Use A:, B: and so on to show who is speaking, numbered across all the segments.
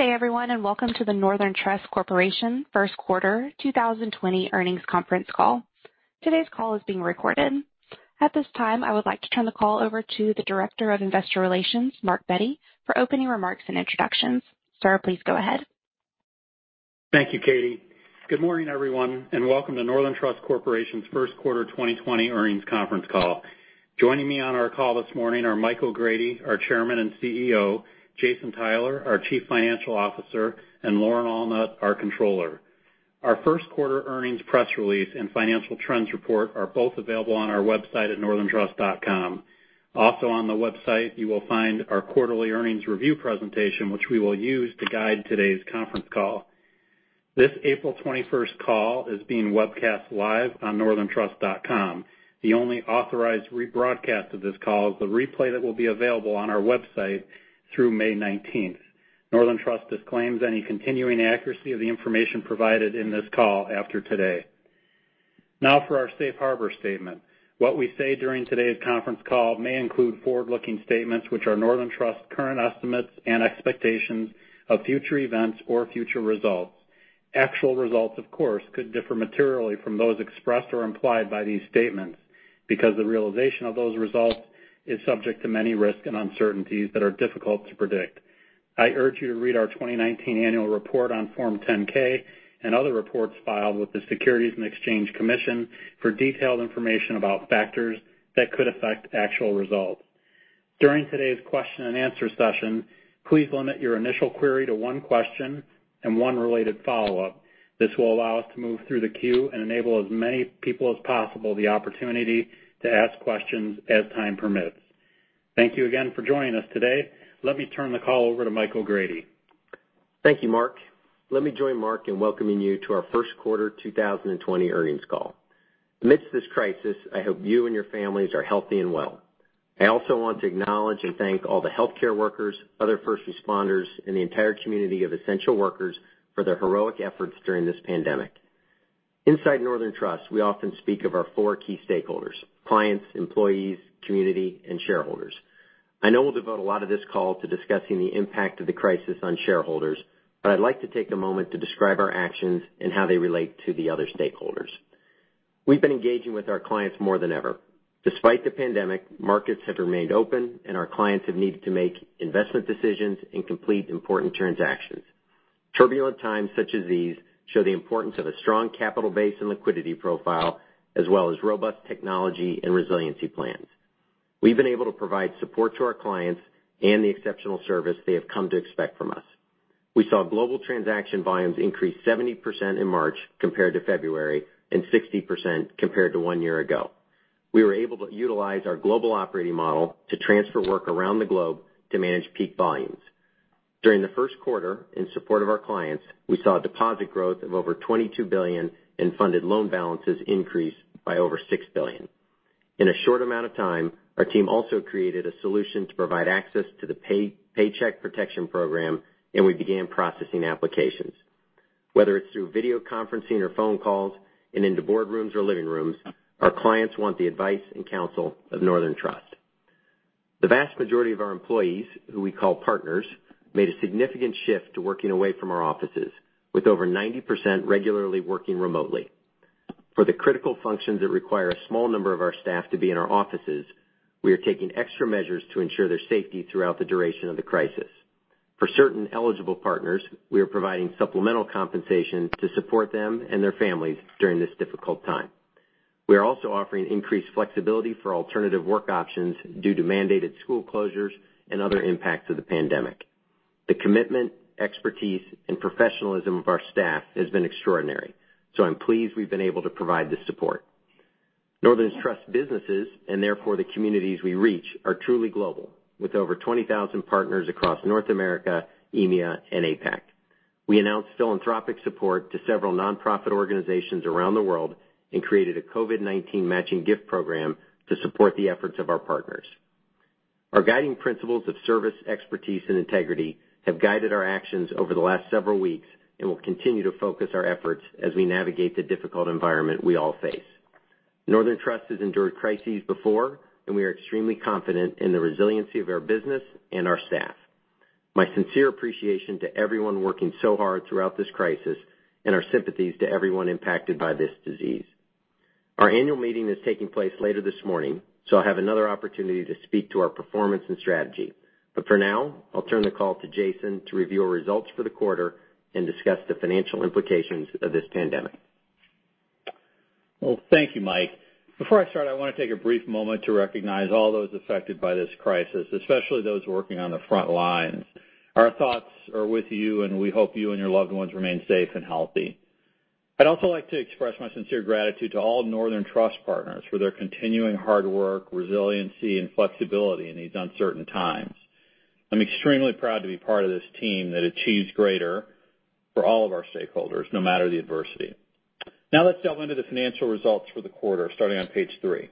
A: Good day, everyone, and welcome to the Northern Trust Corporation First Quarter 2020 Earnings Conference call. Today's call is being recorded. At this time, I would like to turn the call over to the Director of Investor Relations, Mark Bette, for opening remarks and introductions. Sir, please go ahead.
B: Thank you, Katie. Good morning, everyone, and welcome to Northern Trust Corporation's First Quarter 2020 Earnings Conference call. Joining me on our call this morning are Michael O'Grady, our Chairman and CEO; Jason Tyler, our Chief Financial Officer; and Lauren Allnutt, our Controller. Our First Quarter Earnings Press Release and Financial Trends Report are both available on our website at northerntrust.com. Also, on the website, you will find our Quarterly Earnings Review presentation, which we will use to guide today's conference call. This April 21st call is being webcast live on northerntrust.com. The only authorized rebroadcast of this call is the replay that will be available on our website through May 19th. Northern Trust disclaims any continuing accuracy of the information provided in this call after today. Now, for our Safe Harbor Statement. What we say during today's conference call may include forward-looking statements which are Northern Trust's current estimates and expectations of future events or future results. Actual results, of course, could differ materially from those expressed or implied by these statements because the realization of those results is subject to many risks and uncertainties that are difficult to predict. I urge you to read our 2019 Annual Report on Form 10-K and other reports filed with the Securities and Exchange Commission for detailed information about factors that could affect actual results. During today's question-and-answer session, please limit your initial query to one question and one related follow-up. This will allow us to move through the queue and enable as many people as possible the opportunity to ask questions as time permits. Thank you again for joining us today. Let me turn the call over to Michael O'Grady.
C: Thank you, Mark. Let me join Mark in welcoming you to our First Quarter 2020 Earnings Call. Amidst this crisis, I hope you and your families are healthy and well. I also want to acknowledge and thank all the healthcare workers, other first responders, and the entire community of essential workers for their heroic efforts during this pandemic. Inside Northern Trust, we often speak of our four key stakeholders: clients, employees, community, and shareholders. I know we'll devote a lot of this call to discussing the impact of the crisis on shareholders, but I'd like to take a moment to describe our actions and how they relate to the other stakeholders. We've been engaging with our clients more than ever. Despite the pandemic, markets have remained open, and our clients have needed to make investment decisions and complete important transactions. Turbulent times such as these show the importance of a strong capital base and liquidity profile, as well as robust technology and resiliency plans. We've been able to provide support to our clients and the exceptional service they have come to expect from us. We saw global transaction volumes increase 70% in March compared to February and 60% compared to one year ago. We were able to utilize our global operating model to transfer work around the globe to manage peak volumes. During the first quarter, in support of our clients, we saw deposit growth of over $22 billion and funded loan balances increase by over $6 billion. In a short amount of time, our team also created a solution to provide access to the Paycheck Protection Program, and we began processing applications. Whether it's through video conferencing or phone calls and into boardrooms or living rooms, our clients want the advice and counsel of Northern Trust. The vast majority of our employees, who we call partners, made a significant shift to working away from our offices, with over 90% regularly working remotely. For the critical functions that require a small number of our staff to be in our offices, we are taking extra measures to ensure their safety throughout the duration of the crisis. For certain eligible partners, we are providing supplemental compensation to support them and their families during this difficult time. We are also offering increased flexibility for alternative work options due to mandated school closures and other impacts of the pandemic. The commitment, expertise, and professionalism of our staff has been extraordinary, so I'm pleased we've been able to provide this support. Northern Trust businesses, and therefore the communities we reach, are truly global, with over 20,000 partners across North America, EMEA, and APAC. We announced philanthropic support to several nonprofit organizations around the world and created a COVID-19 matching gift program to support the efforts of our partners. Our guiding principles of service, expertise, and integrity have guided our actions over the last several weeks and will continue to focus our efforts as we navigate the difficult environment we all face. Northern Trust has endured crises before, and we are extremely confident in the resiliency of our business and our staff. My sincere appreciation to everyone working so hard throughout this crisis and our sympathies to everyone impacted by this disease. Our annual meeting is taking place later this morning, so I'll have another opportunity to speak to our performance and strategy. For now, I'll turn the call to Jason to review our results for the quarter and discuss the financial implications of this pandemic.
D: Thank you, Mike. Before I start, I want to take a brief moment to recognize all those affected by this crisis, especially those working on the front lines. Our thoughts are with you, and we hope you and your loved ones remain safe and healthy. I'd also like to express my sincere gratitude to all Northern Trust partners for their continuing hard work, resiliency, and flexibility in these uncertain times. I'm extremely proud to be part of this team that achieves greater for all of our stakeholders, no matter the adversity. Now, let's delve into the financial results for the quarter, starting on page three.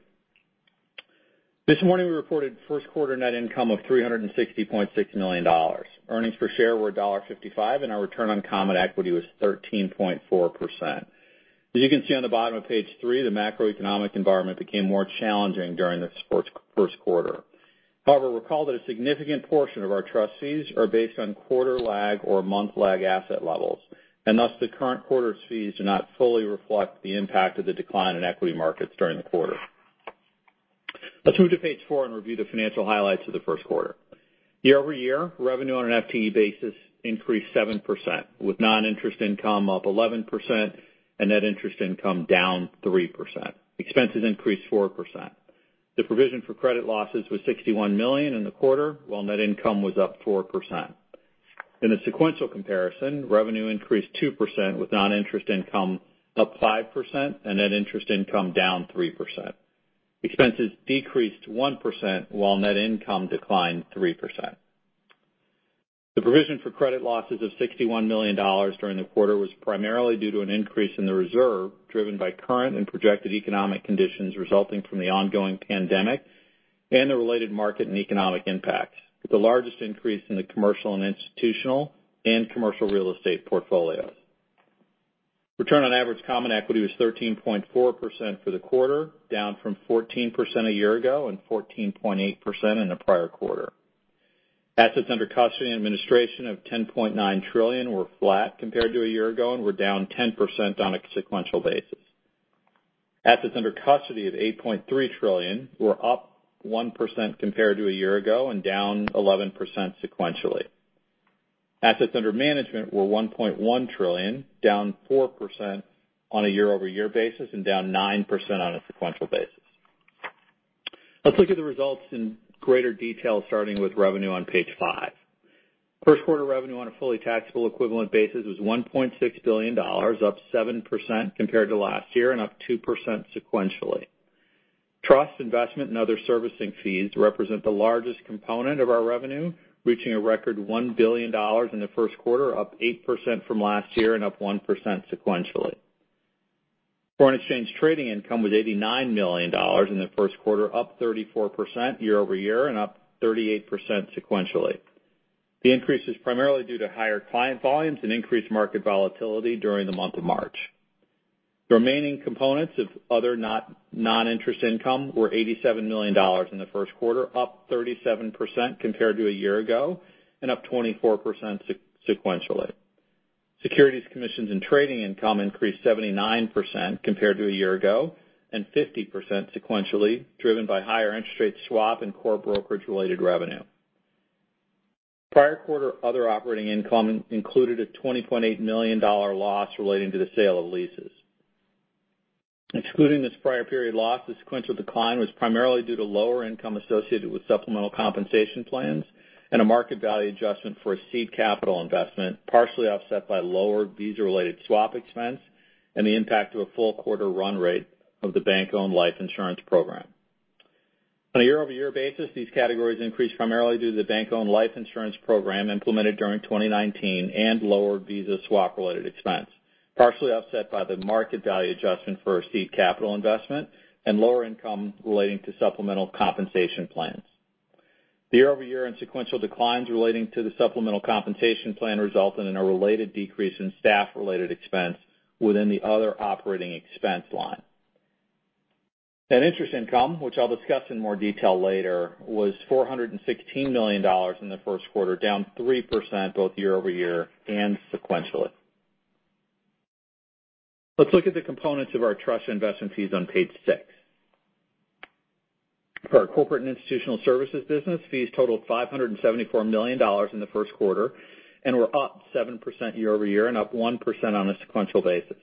D: This morning, we reported first quarter net income of $360.6 million. Earnings per share were $1.55, and our return on common equity was 13.4%. As you can see on the bottom of page three, the macroeconomic environment became more challenging during this first quarter. However, recall that a significant portion of our trust fees are based on quarter-lag or month-lag asset levels, and thus the current quarter's fees do not fully reflect the impact of the decline in equity markets during the quarter. Let's move to page four and review the financial highlights of the first quarter. Year-over-year, revenue on an FTE basis increased 7%, with non-interest income up 11% and net interest income down 3%. Expenses increased 4%. The provision for credit losses was $61 million in the quarter, while net income was up 4%. In the sequential comparison, revenue increased 2%, with non-interest income up 5% and net interest income down 3%. Expenses decreased 1%, while net income declined 3%. The provision for credit losses of $61 million during the quarter was primarily due to an increase in the reserve driven by current and projected economic conditions resulting from the ongoing pandemic and the related market and economic impacts, with the largest increase in the commercial and institutional and commercial real estate portfolios. Return on Average Common Equity was 13.4% for the quarter, down from 14% a year ago and 14.8% in the prior quarter. Assets Under Custody and Administration of $10.9 trillion were flat compared to a year ago and were down 10% on a sequential basis. Assets Under Custody of $8.3 trillion were up 1% compared to a year ago and down 11% sequentially. Assets Under Management were $1.1 trillion, down 4% on a year-over-year basis and down 9% on a sequential basis. Let's look at the results in greater detail, starting with revenue on page five. First quarter revenue on a fully taxable equivalent basis was $1.6 billion, up 7% compared to last year and up 2% sequentially. Trust investment and other servicing fees represent the largest component of our revenue, reaching a record $1 billion in the first quarter, up 8% from last year and up 1% sequentially. Foreign exchange trading income was $89 million in the first quarter, up 34% year-over-year and up 38% sequentially. The increase is primarily due to higher client volumes and increased market volatility during the month of March. The remaining components of other non-interest income were $87 million in the first quarter, up 37% compared to a year ago and up 24% sequentially. Securities, commissions, and trading income increased 79% compared to a year ago and 50% sequentially, driven by higher interest rate swap and core brokerage-related revenue. Prior quarter other operating income included a $20.8 million loss relating to the sale of leases. Excluding this prior period loss, the sequential decline was primarily due to lower income associated with supplemental compensation plans and a market value adjustment for a seed capital investment, partially offset by lowered Visa-related swap expense and the impact of a full quarter run rate of the bank-owned life insurance program. On a year-over-year basis, these categories increased primarily due to the bank-owned life insurance program implemented during 2019 and lowered Visa swap-related expense, partially offset by the market value adjustment for a seed capital investment and lower income relating to supplemental compensation plans. The year-over-year and sequential declines relating to the supplemental compensation plan resulted in a related decrease in staff-related expense within the other operating expense line. Net interest income, which I'll discuss in more detail later, was $416 million in the first quarter, down 3% both year-over-year and sequentially. Let's look at the components of our trust investment fees on page six. For our Corporate and Institutional Services business, fees totaled $574 million in the first quarter and were up 7% year-over-year and up 1% on a sequential basis.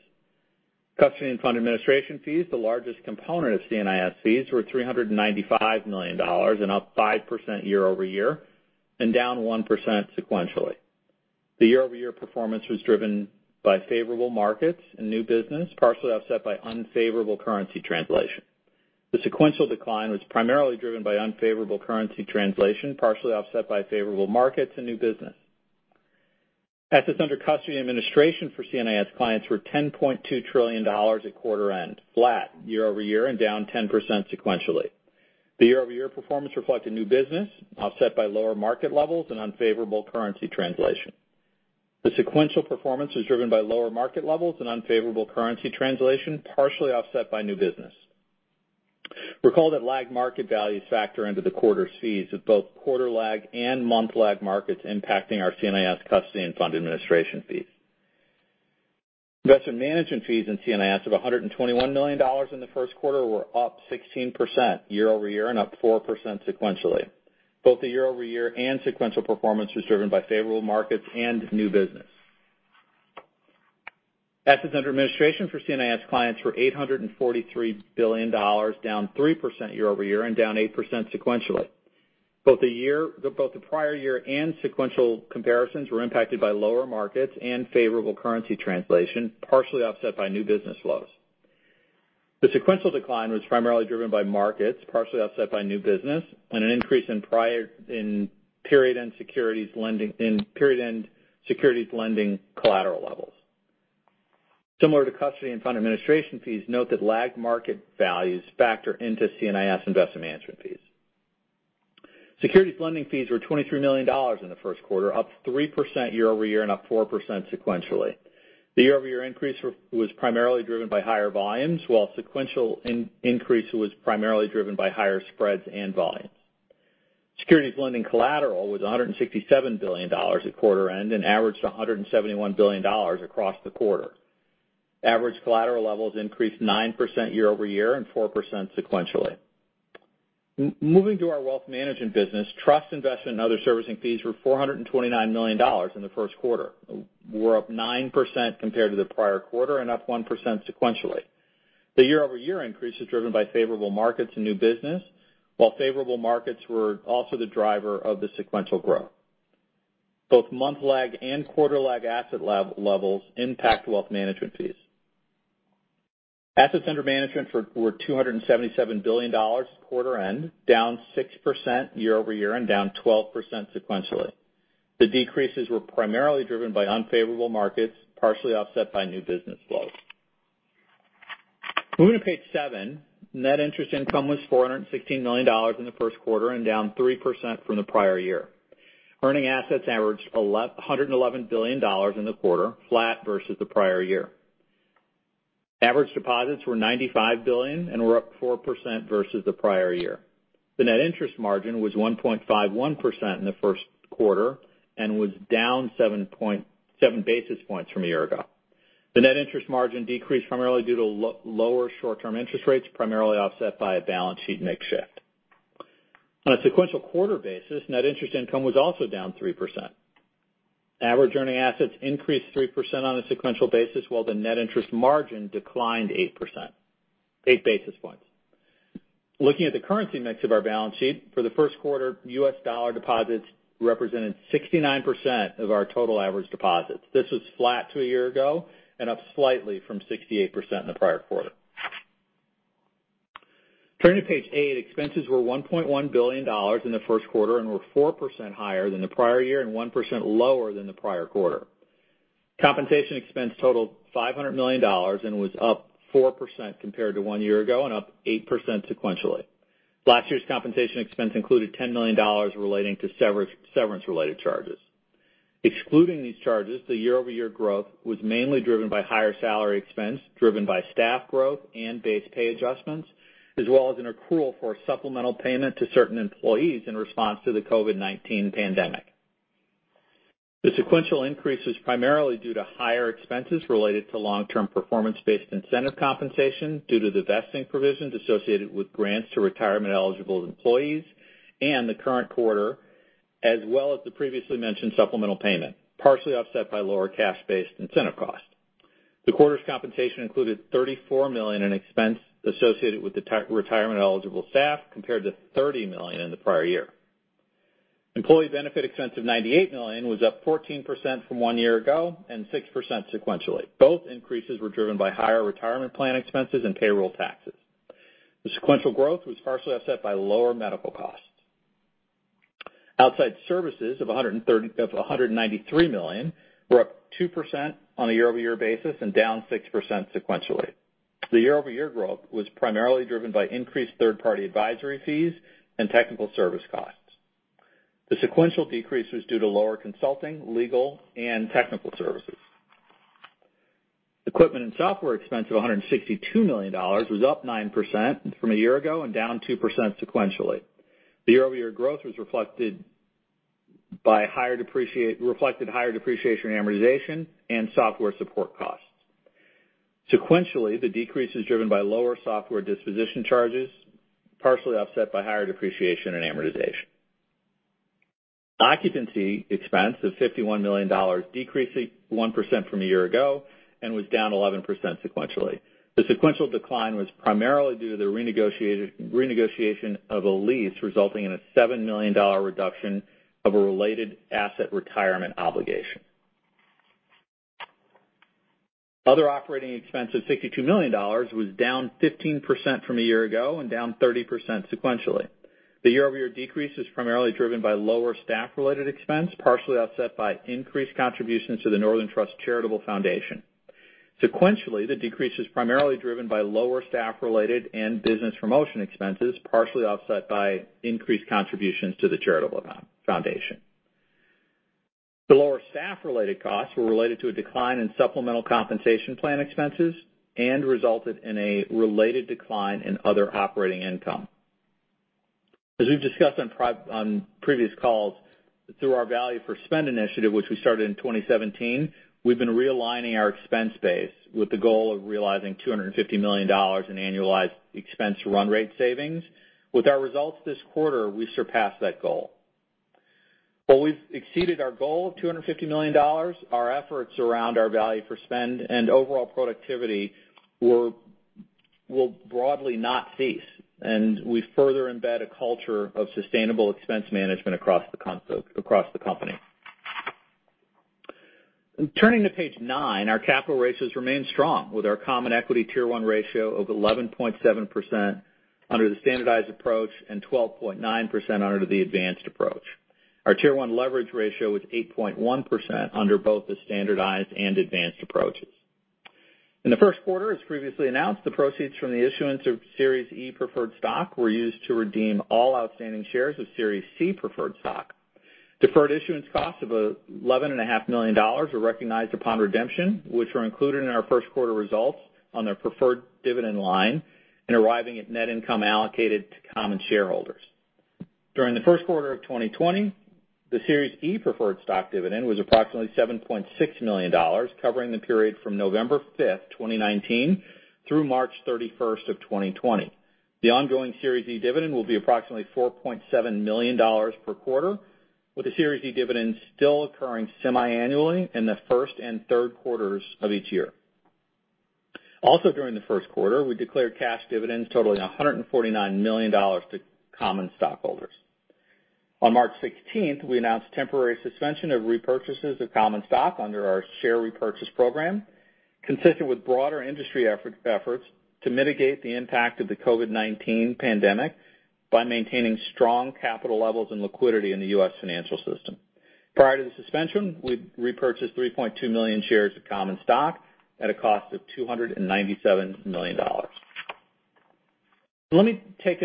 D: Custody and fund administration fees, the largest component of C&IS fees, were $395 million and up 5% year-over-year and down 1% sequentially. The year-over-year performance was driven by favorable markets and new business, partially offset by unfavorable currency translation. The sequential decline was primarily driven by unfavorable currency translation, partially offset by favorable markets and new business. Assets under custody and administration for C&IS clients were $10.2 trillion at quarter-end, flat year-over-year and down 10% sequentially. The year-over-year performance reflected new business, offset by lower market levels and unfavorable currency translation. The sequential performance was driven by lower market levels and unfavorable currency translation, partially offset by new business. Recall that lagged market values factor into the quarter's fees, with both quarter-lag and month-lag markets impacting our C&IS custody and fund administration fees. Investment management fees in C&IS of $121 million in the first quarter were up 16% year-over-year and up 4% sequentially. Both the year-over-year and sequential performance was driven by favorable markets and new business. Assets under administration for C&IS clients were $843 billion, down 3% year-over-year and down 8% sequentially. Both the prior year and sequential comparisons were impacted by lower markets and favorable currency translation, partially offset by new business flows. The sequential decline was primarily driven by markets, partially offset by new business, and an increase in period-end securities lending collateral levels. Similar to custody and fund administration fees, note that lagged market values factor into C&IS investment management fees. Securities lending fees were $23 million in the first quarter, up 3% year-over-year and up 4% sequentially. The year-over-year increase was primarily driven by higher volumes, while sequential increase was primarily driven by higher spreads and volumes. Securities lending collateral was $167 billion at quarter-end and averaged $171 billion across the quarter. Average collateral levels increased 9% year-over-year and 4% sequentially. Moving to our Wealth Management business, trust investment and other servicing fees were $429 million in the first quarter, were up 9% compared to the prior quarter and up 1% sequentially. The year-over-year increase was driven by favorable markets and new business, while favorable markets were also the driver of the sequential growth. Both month-lag and quarter-lag asset levels impact Wealth Management fees. Assets under management were $277 billion at quarter-end, down 6% year-over-year and down 12% sequentially. The decreases were primarily driven by unfavorable markets, partially offset by new business flows. Moving to page seven, net interest income was $416 million in the first quarter and down 3% from the prior year. Earning assets averaged $111 billion in the quarter, flat versus the prior year. Average deposits were $95 billion and were up 4% versus the prior year. The net interest margin was 1.51% in the first quarter and was down 7 basis points from a year ago. The net interest margin decreased primarily due to lower short-term interest rates, primarily offset by a balance sheet mix shift. On a sequential quarter basis, net interest income was also down 3%. Average earning assets increased 3% on a sequential basis, while the net interest margin declined 8%, 8 basis points. Looking at the currency mix of our balance sheet, for the first quarter, U.S. dollar deposits represented 69% of our total average deposits. This was flat to a year ago and up slightly from 68% in the prior quarter. Turning to page eight, expenses were $1.1 billion in the first quarter and were 4% higher than the prior year and 1% lower than the prior quarter. Compensation expense totaled $500 million and was up 4% compared to one year ago and up 8% sequentially. Last year's compensation expense included $10 million relating to severance-related charges. Excluding these charges, the year-over-year growth was mainly driven by higher salary expense, driven by staff growth and base pay adjustments, as well as an accrual for supplemental payment to certain employees in response to the COVID-19 pandemic. The sequential increase was primarily due to higher expenses related to long-term performance-based incentive compensation due to the vesting provisions associated with grants to retirement-eligible employees and the current quarter, as well as the previously mentioned supplemental payment, partially offset by lower cash-based incentive costs. The quarter's compensation included $34 million in expense associated with retirement-eligible staff compared to $30 million in the prior year. Employee benefit expense of $98 million was up 14% from one year ago and 6% sequentially. Both increases were driven by higher retirement plan expenses and payroll taxes. The sequential growth was partially offset by lower medical costs. Outside services of $193 million were up 2% on a year-over-year basis and down 6% sequentially. The year-over-year growth was primarily driven by increased third-party advisory fees and technical service costs. The sequential decrease was due to lower consulting, legal, and technical services. Equipment and software expense of $162 million was up 9% from a year ago and down 2% sequentially. The year-over-year growth was reflected by higher depreciation amortization and software support costs. Sequentially, the decrease was driven by lower software disposition charges, partially offset by higher depreciation and amortization. Occupancy expense of $51 million decreased 1% from a year ago and was down 11% sequentially. The sequential decline was primarily due to the renegotiation of a lease, resulting in a $7 million reduction of a related asset retirement obligation. Other operating expense of $62 million was down 15% from a year ago and down 30% sequentially. The year-over-year decrease was primarily driven by lower staff-related expense, partially offset by increased contributions to the Northern Trust Charitable Foundation. Sequentially, the decrease was primarily driven by lower staff-related and business promotion expenses, partially offset by increased contributions to the Charitable Foundation. The lower staff-related costs were related to a decline in supplemental compensation plan expenses and resulted in a related decline in other operating income. As we've discussed on previous calls, through our Value for Spend initiative, which we started in 2017, we've been realigning our expense base with the goal of realizing $250 million in annualized expense run rate savings. With our results this quarter, we surpassed that goal. While we've exceeded our goal of $250 million, our efforts around our Value for Spend and overall productivity will broadly not cease, and we further embed a culture of sustainable expense management across the company. Turning to page nine, our capital ratios remain strong with our Common Equity Tier 1 ratio of 11.7% under the standardized approach and 12.9% under the advanced approach. Our Tier 1 Leverage Ratio was 8.1% under both the standardized and advanced approaches. In the first quarter, as previously announced, the proceeds from the issuance of Series E Preferred Stock were used to redeem all outstanding shares of Series C Preferred Stock. Deferred issuance costs of $11.5 million were recognized upon redemption, which were included in our first quarter results on the preferred dividend line and arriving at net income allocated to common shareholders. During the first quarter of 2020, the Series E Preferred Stock dividend was approximately $7.6 million, covering the period from November 5th, 2019, through March 31st of 2020. The ongoing Series E dividend will be approximately $4.7 million per quarter, with the Series E dividend still occurring semi-annually in the first and third quarters of each year. Also, during the first quarter, we declared cash dividends totaling $149 million to common stockholders. On March 16th, we announced temporary suspension of repurchases of common stock under our share repurchase program, consistent with broader industry efforts to mitigate the impact of the COVID-19 pandemic by maintaining strong capital levels and liquidity in the U.S. financial system. Prior to the suspension, we repurchased 3.2 million shares of common stock at a cost of $297 million. Let me make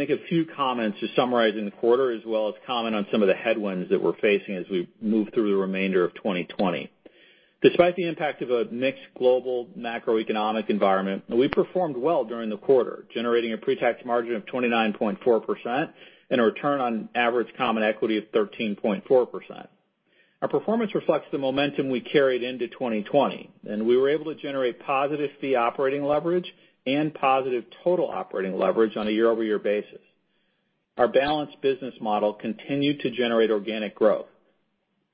D: a few comments just summarizing the quarter, as well as comment on some of the headwinds that we're facing as we move through the remainder of 2020. Despite the impact of a mixed global macroeconomic environment, we performed well during the quarter, generating a pre-tax margin of 29.4% and a return on average common equity of 13.4%. Our performance reflects the momentum we carried into 2020, and we were able to generate positive fee operating leverage and positive total operating leverage on a year-over-year basis. Our balanced business model continued to generate organic growth,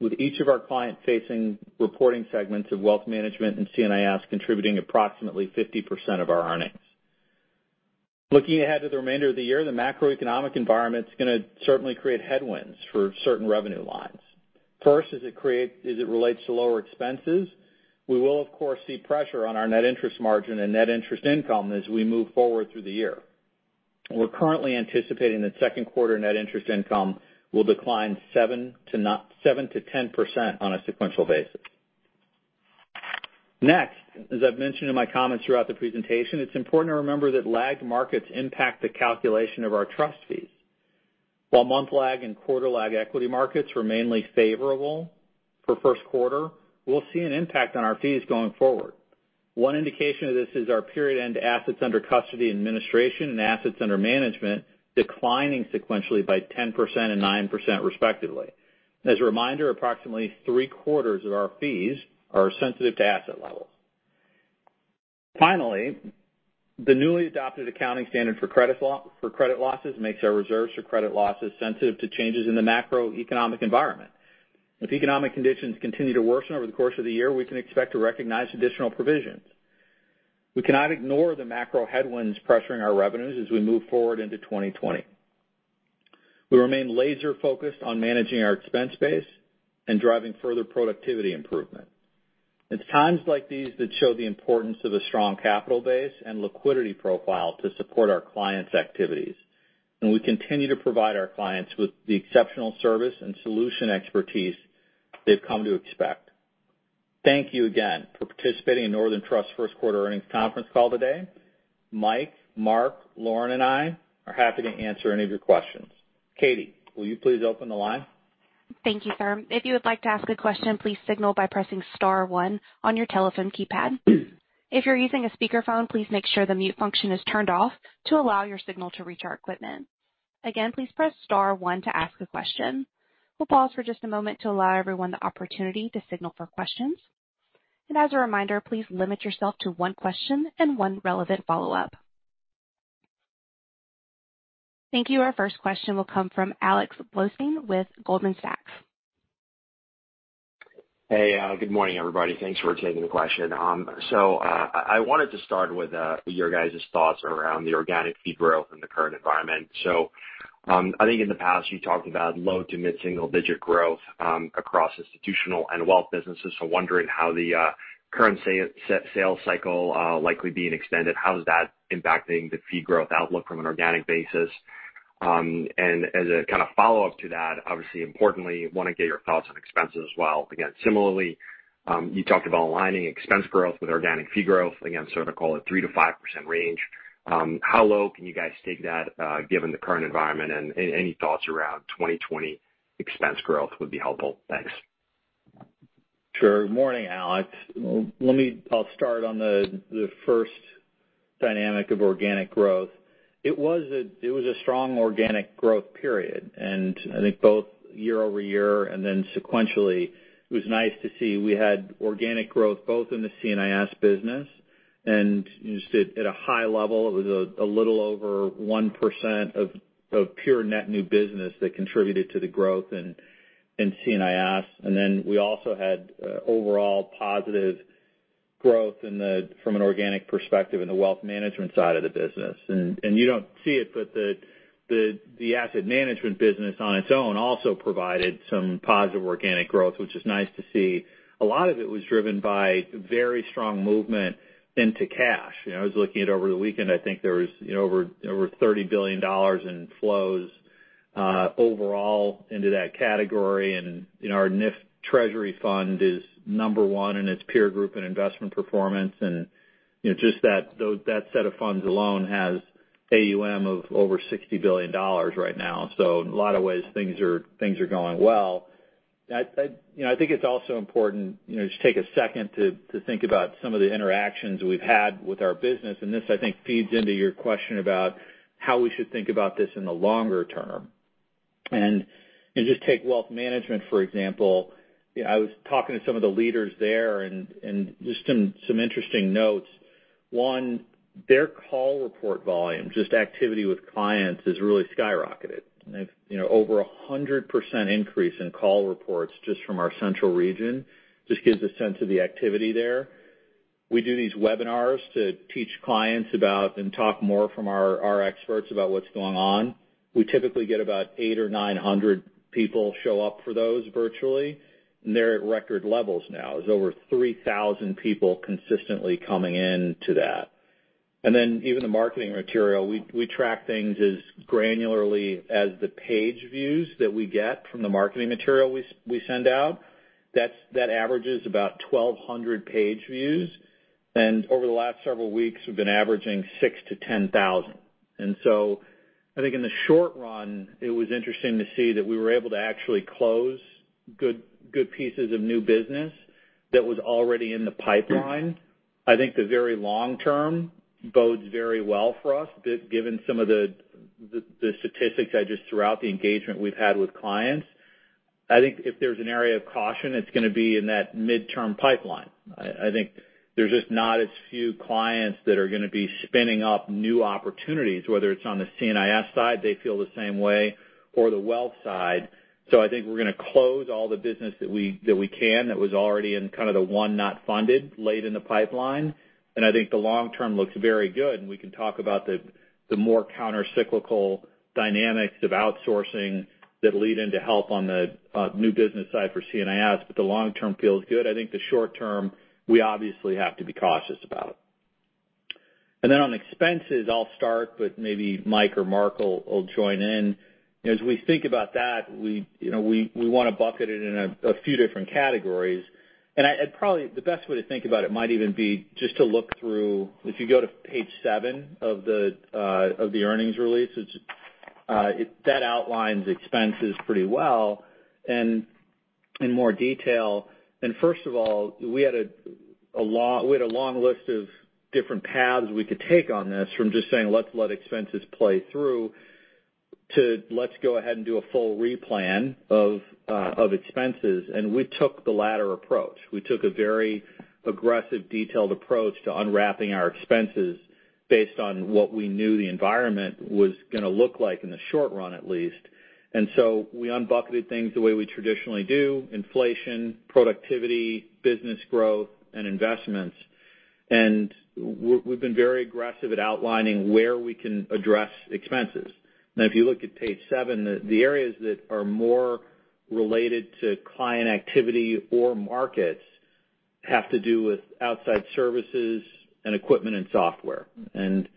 D: with each of our client-facing reporting segments of Wealth Management and C&IS contributing approximately 50% of our earnings. Looking ahead to the remainder of the year, the macroeconomic environment's going to certainly create headwinds for certain revenue lines. First, as it relates to lower expenses, we will, of course, see pressure on our net interest margin and net interest income as we move forward through the year. We're currently anticipating that second quarter net interest income will decline 7%-10% on a sequential basis. Next, as I've mentioned in my comments throughout the presentation, it's important to remember that lagged markets impact the calculation of our trust fees. While month-lag and quarter-lag equity markets were mainly favorable for first quarter, we'll see an impact on our fees going forward. One indication of this is our period-end assets under custody and administration and assets under management declining sequentially by 10% and 9% respectively. As a reminder, approximately three-quarters of our fees are sensitive to asset levels. Finally, the newly adopted accounting standard for credit losses makes our reserves for credit losses sensitive to changes in the macroeconomic environment. If economic conditions continue to worsen over the course of the year, we can expect to recognize additional provisions. We cannot ignore the macro headwinds pressuring our revenues as we move forward into 2020. We remain laser-focused on managing our expense base and driving further productivity improvement. It's times like these that show the importance of a strong capital base and liquidity profile to support our clients' activities, and we continue to provide our clients with the exceptional service and solution expertise they've come to expect. Thank you again for participating in Northern Trust's first quarter earnings conference call today. Mike, Mark, Lauren, and I are happy to answer any of your questions. Katie, will you please open the line?
A: Thank you, sir. If you would like to ask a question, please signal by pressing Star 1 on your telephone keypad. If you're using a speakerphone, please make sure the mute function is turned off to allow your signal to reach our equipment. Again, please press Star 1 to ask a question. We'll pause for just a moment to allow everyone the opportunity to signal for questions. And as a reminder, please limit yourself to one question and one relevant follow-up. Thank you. Our first question will come from Alex Blostein with Goldman Sachs.
E: Hey, good morning, everybody. Thanks for taking the question. So I wanted to start with your guys' thoughts around the organic fee growth in the current environment. So I think in the past, you talked about low to mid-single-digit growth across institutional and wealth businesses. So wondering how the current sales cycle likely being extended, how is that impacting the fee growth outlook from an organic basis? And as a kind of follow-up to that, obviously, importantly, want to get your thoughts on expenses as well. Again, similarly, you talked about aligning expense growth with organic fee growth, again, sort of call it 3%-5% range. How low can you guys take that given the current environment? And any thoughts around 2020 expense growth would be helpful. Thanks.
D: Sure. Good morning, Alex. I'll start on the first dynamic of organic growth. It was a strong organic growth period, and I think both year-over-year and then sequentially, it was nice to see we had organic growth both in the C&IS business and just at a high level. It was a little over 1% of pure net new business that contributed to the growth in C&IS, and then we also had overall positive growth from an organic perspective in the Wealth Management side of the business. You don't see it, but the asset management business on its own also provided some positive organic growth, which is nice to see. A lot of it was driven by very strong movement into cash. I was looking at over the weekend, I think there was over $30 billion in flows overall into that category. Our NIF Treasury Fund is number one in its peer group and investment performance. Just that set of funds alone has AUM of over $60 billion right now. In a lot of ways, things are going well. I think it's also important to take a second to think about some of the interactions we've had with our business. This, I think, feeds into your question about how we should think about this in the longer term. Just take Wealth Management, for example. I was talking to some of the leaders there and just some interesting notes. One, their call report volume, just activity with clients, has really skyrocketed. Over 100% increase in call reports just from our central region just gives a sense of the activity there. We do these webinars to teach clients about and talk more from our experts about what's going on. We typically get about 800 or 900 people show up for those virtually, and they're at record levels now. There's over 3,000 people consistently coming into that, and then even the marketing material, we track things as granularly as the page views that we get from the marketing material we send out. That averages about 1,200 page views, and over the last several weeks, we've been averaging 6,000-10,000. And so I think in the short run, it was interesting to see that we were able to actually close good pieces of new business that was already in the pipeline. I think the very long term bodes very well for us, given some of the statistics I just threw out, the engagement we've had with clients. I think if there's an area of caution, it's going to be in that midterm pipeline. I think there's just not as few clients that are going to be spinning up new opportunities, whether it's on the C&IS side, they feel the same way, or the wealth side. So I think we're going to close all the business that we can that was already in kind of the unfunded late in the pipeline. And I think the long term looks very good. And we can talk about the more countercyclical dynamics of outsourcing that lead into help on the new business side for C&IS, but the long term feels good. I think the short term, we obviously have to be cautious about it. And then on expenses, I'll start, but maybe Michael or Mark will join in. As we think about that, we want to bucket it in a few different categories. And the best way to think about it might even be just to look through if you go to page seven of the earnings release, that outlines expenses pretty well in more detail. And first of all, we had a long list of different paths we could take on this from just saying, "Let's let expenses play through," to, "Let's go ahead and do a full replan of expenses." And we took the latter approach. We took a very aggressive, detailed approach to unwrapping our expenses based on what we knew the environment was going to look like in the short run, at least. And so we unbucketed things the way we traditionally do: inflation, productivity, business growth, and investments. And we've been very aggressive at outlining where we can address expenses. And if you look at page seven, the areas that are more related to client activity or markets have to do with outside services and equipment and software. And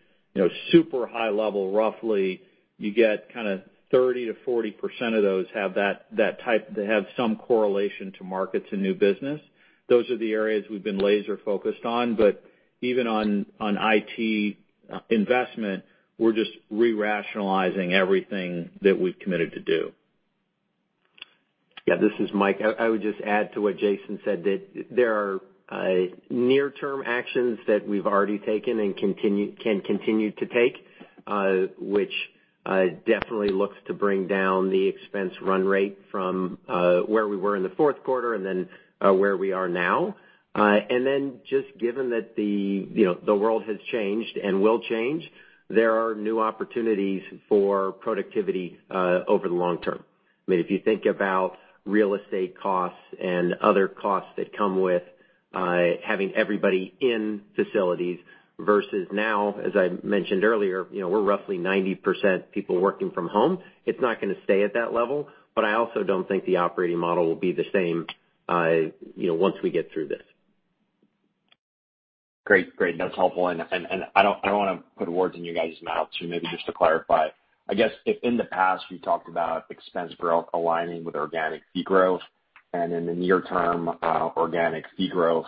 D: super high level, roughly, you get kind of 30%-40% of those have that type that have some correlation to markets and new business. Those are the areas we've been laser-focused on. But even on IT investment, we're just re-rationalizing everything that we've committed to do.
C: Yeah, this is Micheal. I would just add to what Jason said that there are near-term actions that we've already taken and can continue to take, which definitely looks to bring down the expense run rate from where we were in the fourth quarter and then where we are now, and then just given that the world has changed and will change, there are new opportunities for productivity over the long term. I mean, if you think about real estate costs and other costs that come with having everybody in facilities versus now, as I mentioned earlier, we're roughly 90% people working from home. It's not going to stay at that level. But I also don't think the operating model will be the same once we get through this.
E: Great. Great. That's helpful, and I don't want to put words in your guys' mouth, so maybe just to clarify. I guess if in the past you talked about expense growth aligning with organic fee growth and in the near term organic fee growth,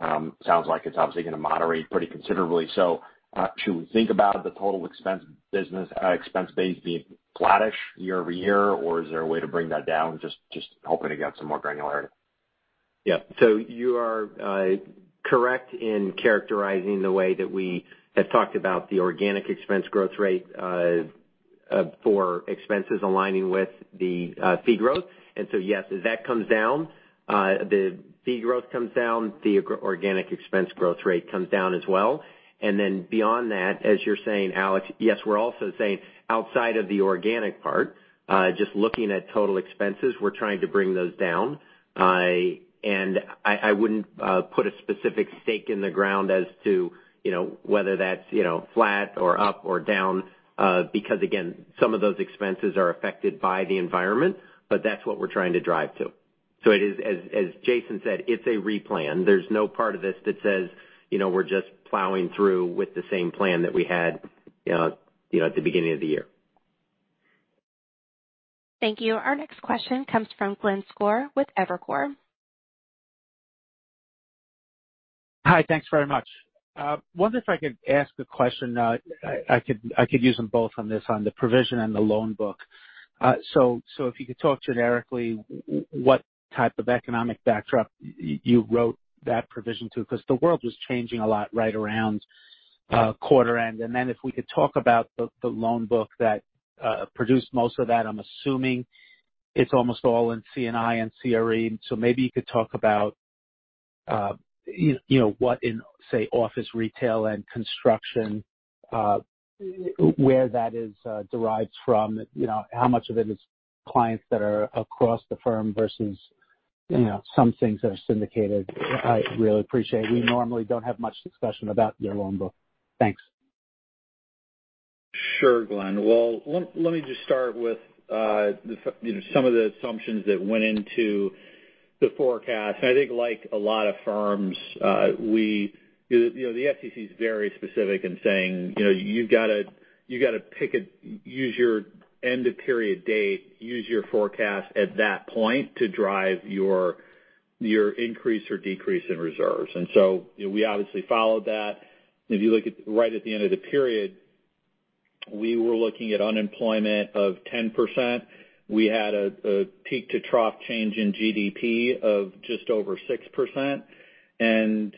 E: it sounds like it's obviously going to moderate pretty considerably. So should we think about the total expense base being flattish year over year, or is there a way to bring that down, just hoping to get some more granularity?
C: Yeah. So you are correct in characterizing the way that we have talked about the organic expense growth rate for expenses aligning with the fee growth. And so yes, if that comes down, the fee growth comes down, the organic expense growth rate comes down as well. And then beyond that, as you're saying, Alex, yes, we're also saying outside of the organic part, just looking at total expenses, we're trying to bring those down. I wouldn't put a specific stake in the ground as to whether that's flat or up or down because, again, some of those expenses are affected by the environment, but that's what we're trying to drive to. So as Jason said, it's a replan. There's no part of this that says we're just plowing through with the same plan that we had at the beginning of the year.
A: Thank you. Our next question comes from Glenn Schorr with Evercore ISI.
F: Hi, thanks very much. I wonder if I could ask a question. I could use them both on this, on the provision and the loan book. So if you could talk generically what type of economic backdrop you wrote that provision to because the world was changing a lot right around quarter-end. Then if we could talk about the loan book that produced most of that, I'm assuming it's almost all in C&I and CRE. So maybe you could talk about what in, say, office retail and construction, where that is derived from, how much of it is clients that are across the firm versus some things that are syndicated. I really appreciate it. We normally don't have much discussion about your loan book. Thanks.
D: Sure, Glenn. Well, let me just start with some of the assumptions that went into the forecast. And I think like a lot of firms, the CECL is very specific in saying, "You've got to pick as your end-of-period date, use your forecast at that point to drive your increase or decrease in reserves." And so we obviously followed that. If you look at right at the end of the period, we were looking at unemployment of 10%. We had a peak-to-trough change in GDP of just over 6%. And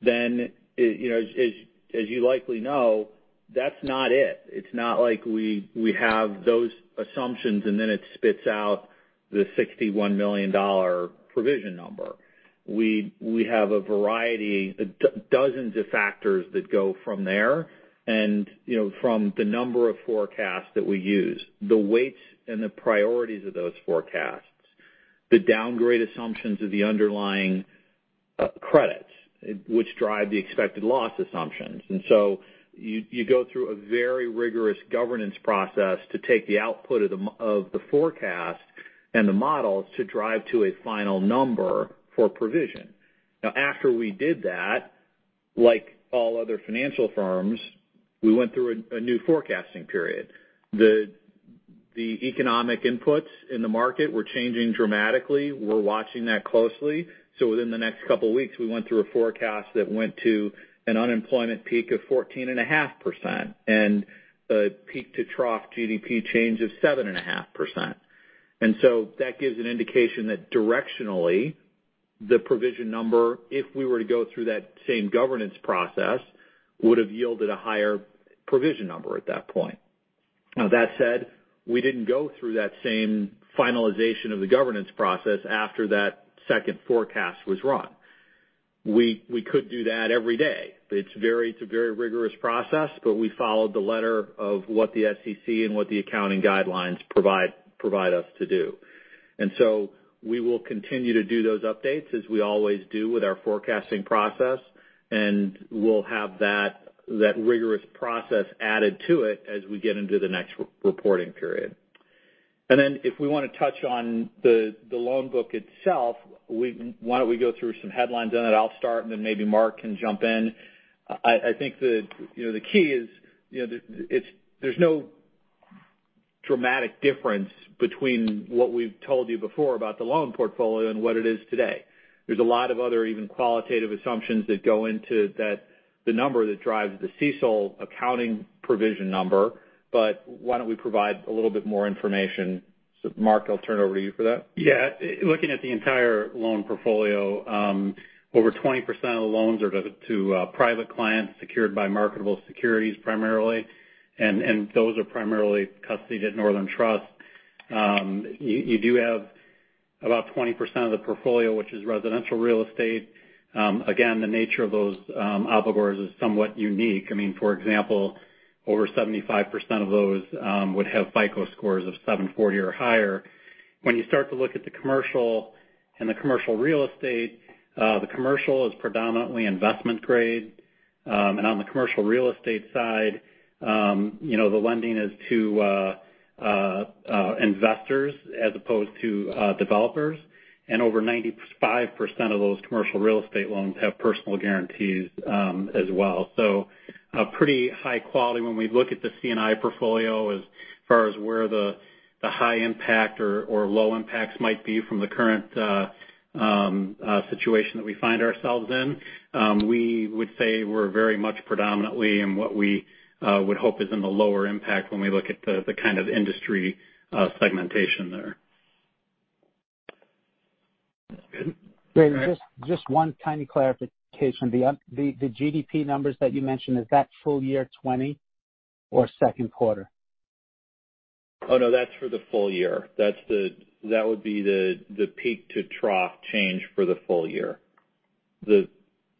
D: then, as you likely know, that's not it. It's not like we have those assumptions and then it spits out the $61 million provision number. We have a variety, dozens of factors that go from there. And from the number of forecasts that we use, the weights and the priorities of those forecasts, the downgrade assumptions of the underlying credits, which drive the expected loss assumptions. And so you go through a very rigorous governance process to take the output of the forecast and the models to drive to a final number for provision. Now, after we did that, like all other financial firms, we went through a new forecasting period. The economic inputs in the market were changing dramatically. We're watching that closely. So within the next couple of weeks, we went through a forecast that went to an unemployment peak of 14.5% and a peak-to-trough GDP change of 7.5%. And so that gives an indication that directionally, the provision number, if we were to go through that same governance process, would have yielded a higher provision number at that point. Now, that said, we didn't go through that same finalization of the governance process after that second forecast was run. We could do that every day. It's a very rigorous process, but we followed the letter of what the FASB and what the accounting guidelines provide us to do. And so we will continue to do those updates as we always do with our forecasting process. And we'll have that rigorous process added to it as we get into the next reporting period. And then if we want to touch on the loan book itself, why don't we go through some headlines on it? I'll start, and then maybe Mark can jump in. I think the key is there's no dramatic difference between what we've told you before about the loan portfolio and what it is today. There's a lot of other even qualitative assumptions that go into the number that drives the CECL accounting provision number. But why don't we provide a little bit more information? So Mark, I'll turn it over to you for that.
B: Yeah. Looking at the entire loan portfolio, over 20% of the loans are to private clients secured by marketable securities primarily. And those are primarily custody at Northern Trust. You do have about 20% of the portfolio, which is residential real estate. Again, the nature of those obligors is somewhat unique. I mean, for example, over 75% of those would have FICO scores of 740 or higher. When you start to look at the commercial and the commercial real estate, the commercial is predominantly investment grade. And on the commercial real estate side, the lending is to investors as opposed to developers. And over 95% of those commercial real estate loans have personal guarantees as well. So pretty high quality when we look at the C&I portfolio as far as where the high impact or low impacts might be from the current situation that we find ourselves in. We would say we're very much predominantly in what we would hope is in the lower impact when we look at the kind of industry segmentation there.
F: Just one tiny clarification. The GDP numbers that you mentioned, is that full year 2020 or second quarter?
D: Oh, no, that's for the full year. That would be the peak-to-trough change for the full year.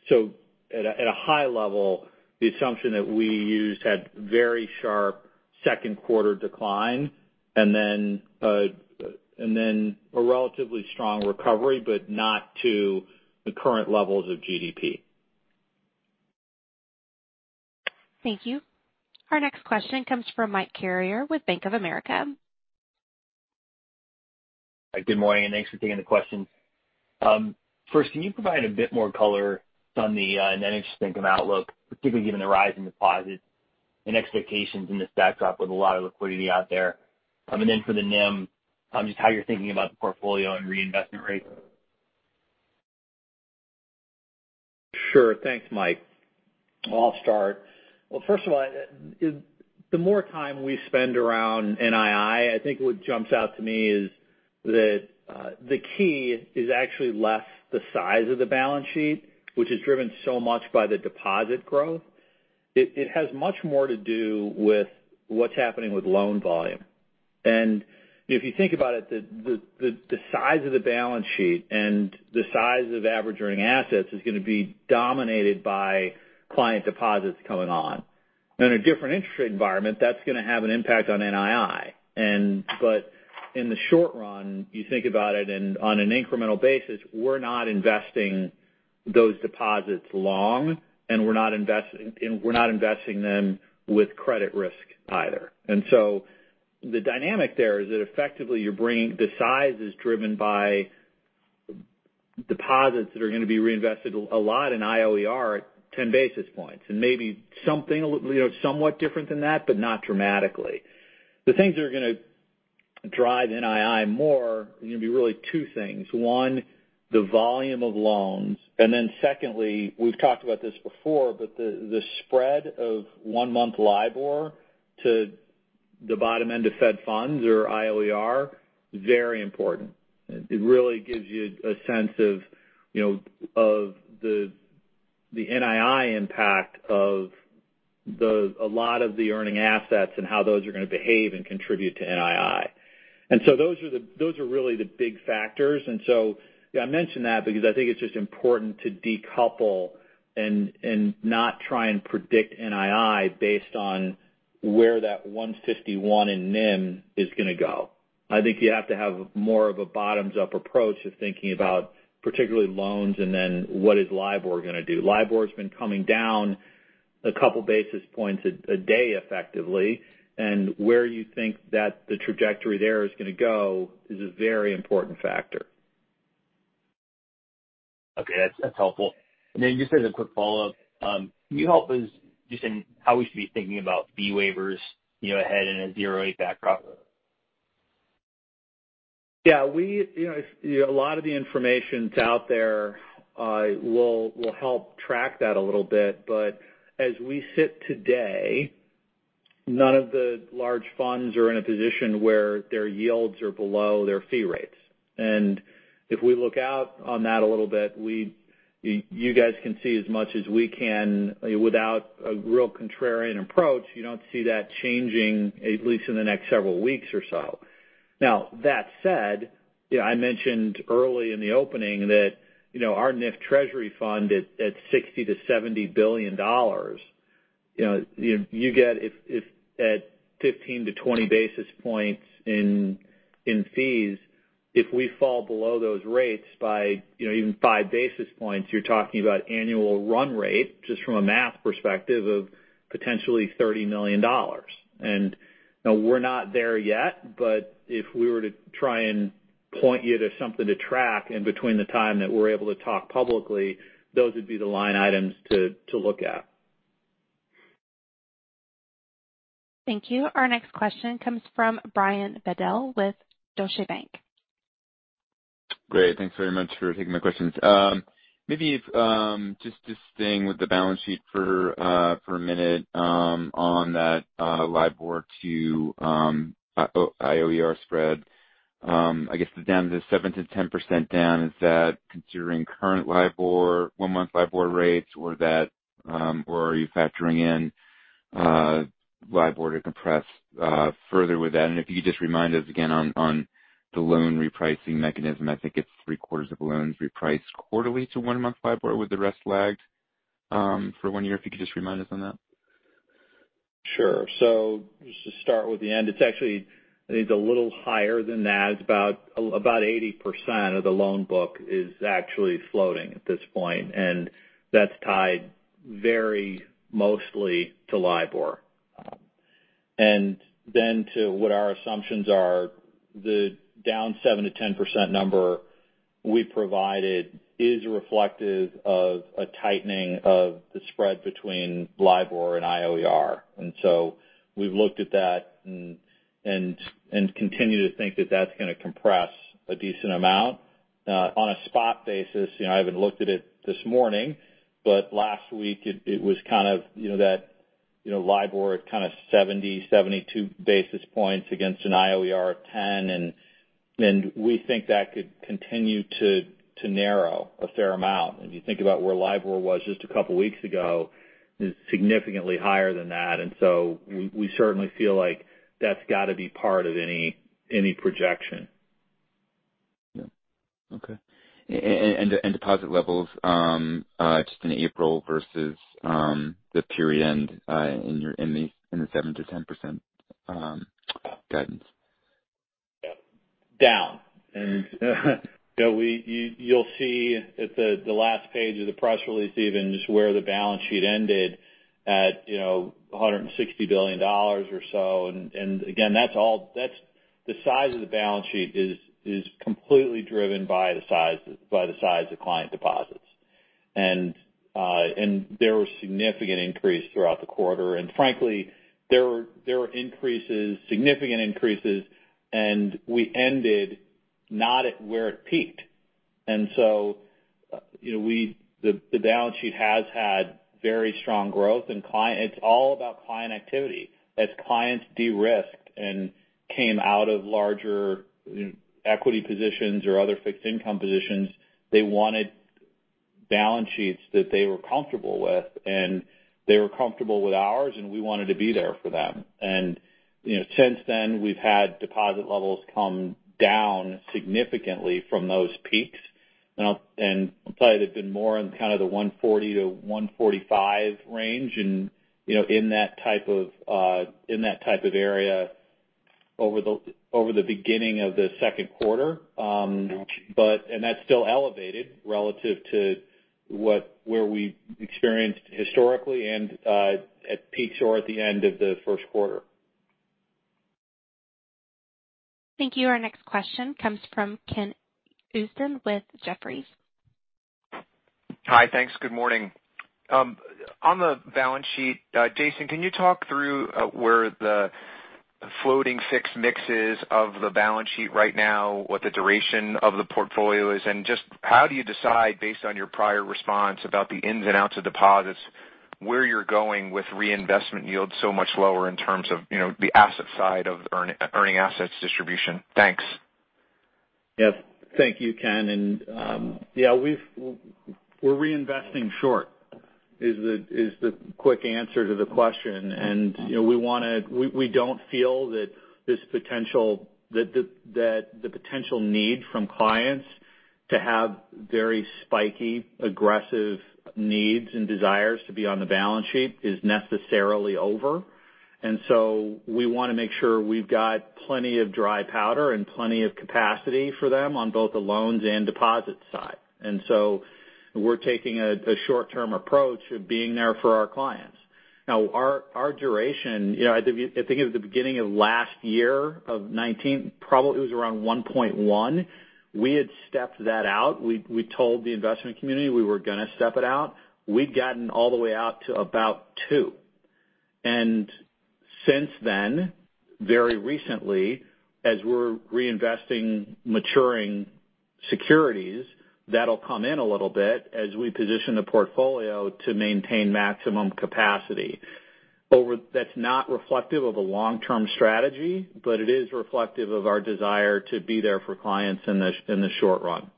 D: So at a high level, the assumption that we used had very sharp second quarter decline and then a relatively strong recovery, but not to the current levels of GDP.
A: Thank you. Our next question comes from Mike Carrier with Bank of America.
G: Good morning and thanks for taking the question. First, can you provide a bit more color on the net interest income outlook, particularly given the rise in deposits and expectations in this backdrop with a lot of liquidity out there? And then for the NIM, just how you're thinking about the portfolio and reinvestment rate.
D: Sure. Thanks, Mike. I'll start. Well, first of all, the more time we spend around NII, I think what jumps out to me is that the key is actually less the size of the balance sheet, which is driven so much by the deposit growth. It has much more to do with what's happening with loan volume. And if you think about it, the size of the balance sheet and the size of average earning assets is going to be dominated by client deposits coming on. In a different interest rate environment, that's going to have an impact on NII. But in the short run, you think about it on an incremental basis, we're not investing those deposits long, and we're not investing them with credit risk either. And so the dynamic there is that effectively the size is driven by deposits that are going to be reinvested a lot in IOER at 10 basis points and maybe something somewhat different than that, but not dramatically. The things that are going to drive NII more are going to be really two things. One, the volume of loans. And then secondly, we've talked about this before, but the spread of one-month LIBOR to the bottom end of Fed funds or IOER is very important. It really gives you a sense of the NII impact of a lot of the earning assets and how those are going to behave and contribute to NII. And so those are really the big factors. And so I mentioned that because I think it's just important to decouple and not try and predict NII based on where that 151 in NIM is going to go. I think you have to have more of a bottoms-up approach of thinking about particularly loans and then what is LIBOR going to do. LIBOR has been coming down a couple of basis points a day effectively. And where you think that the trajectory there is going to go is a very important factor.
G: Okay. That's helpful. And then just as a quick follow-up, can you help us just in how we should be thinking about fee waivers ahead in a 0-8 backdrop?
D: Yeah. A lot of the information out there will help track that a little bit. But as we sit today, none of the large funds are in a position where their yields are below their fee rates. And if we look out on that a little bit, you guys can see as much as we can without a real contrarian approach. You don't see that changing at least in the next several weeks or so. Now, that said, I mentioned early in the opening that our NIF Treasury Fund at $60 billion-$70 billion, you get at 15-20 basis points in fees. If we fall below those rates by even five basis points, you're talking about annual run rate just from a math perspective of potentially $30 million. And we're not there yet, but if we were to try and point you to something to track in between the time that we're able to talk publicly, those would be the line items to look at.
A: Thank you. Our next question comes from Brian Bedell with Deutsche Bank. Great.
H: Thanks very much for taking my questions. Maybe just staying with the balance sheet for a minute on that LIBOR to IOER spread. I guess the down to 7%-10% down, is that considering current LIBOR, one-month LIBOR rates, or are you factoring in LIBOR to compress further with that? And if you could just remind us again on the loan repricing mechanism, I think it's three-quarters of loans repriced quarterly to one-month LIBOR, with the rest lagged for one year. If you could just remind us on that.
D: Sure. So just to start with the end, it's actually a little higher than that. It's about 80% of the loan book is actually floating at this point. And that's tied very mostly to LIBOR. And then, to what our assumptions are, the down 7%-10% number we provided is reflective of a tightening of the spread between LIBOR and IOER. And so we've looked at that and continue to think that that's going to compress a decent amount. On a spot basis, I haven't looked at it this morning, but last week it was kind of that LIBOR at kind of 70, 72 basis points against an IOER of 10. And we think that could continue to narrow a fair amount. And if you think about where LIBOR was just a couple of weeks ago, it's significantly higher than that. And so we certainly feel like that's got to be part of any projection.
H: Yeah. Okay. And deposit levels just in April versus the period end in the 7%-10% guidance.
D: Yeah. Down. And you'll see at the last page of the press release even just where the balance sheet ended at $160 billion or so. And again, that's all the size of the balance sheet is completely driven by the size of client deposits. And there was significant increase throughout the quarter. And frankly, there were increases, significant increases, and we ended not at where it peaked. And so the balance sheet has had very strong growth. And it's all about client activity. As clients de-risked and came out of larger equity positions or other fixed income positions, they wanted balance sheets that they were comfortable with. And they were comfortable with ours, and we wanted to be there for them. And since then, we've had deposit levels come down significantly from those peaks. And I'll tell you, they've been more in kind of the 140-145 range in that type of area over the beginning of the second quarter. And that's still elevated relative to where we experienced historically and at peaks or at the end of the first quarter.
A: Thank you. Our next question comes from Kenneth Usdin with Jefferies.
I: Hi. Thanks. Good morning. On the balance sheet, Jason, can you talk through where the floating fixed mix is of the balance sheet right now, what the duration of the portfolio is, and just how do you decide based on your prior response about the ins and outs of deposits, where you're going with reinvestment yields so much lower in terms of the asset side of earning assets distribution? Thanks.
D: Yes. Thank you, Kenneth. And yeah, we're reinvesting short is the quick answer to the question. We don't feel that the potential need from clients to have very spiky, aggressive needs and desires to be on the balance sheet is necessarily over. We want to make sure we've got plenty of dry powder and plenty of capacity for them on both the loans and deposit side. We're taking a short-term approach of being there for our clients. Our duration, I think at the beginning of last year of 2019, it was around 1.1. We had stepped that out. We told the investment community we were going to step it out. We'd gotten all the way out to about two. Since then, very recently, as we're reinvesting maturing securities, that'll come in a little bit as we position the portfolio to maintain maximum capacity. That's not reflective of a long-term strategy, but it is reflective of our desire to be there for clients in the short run.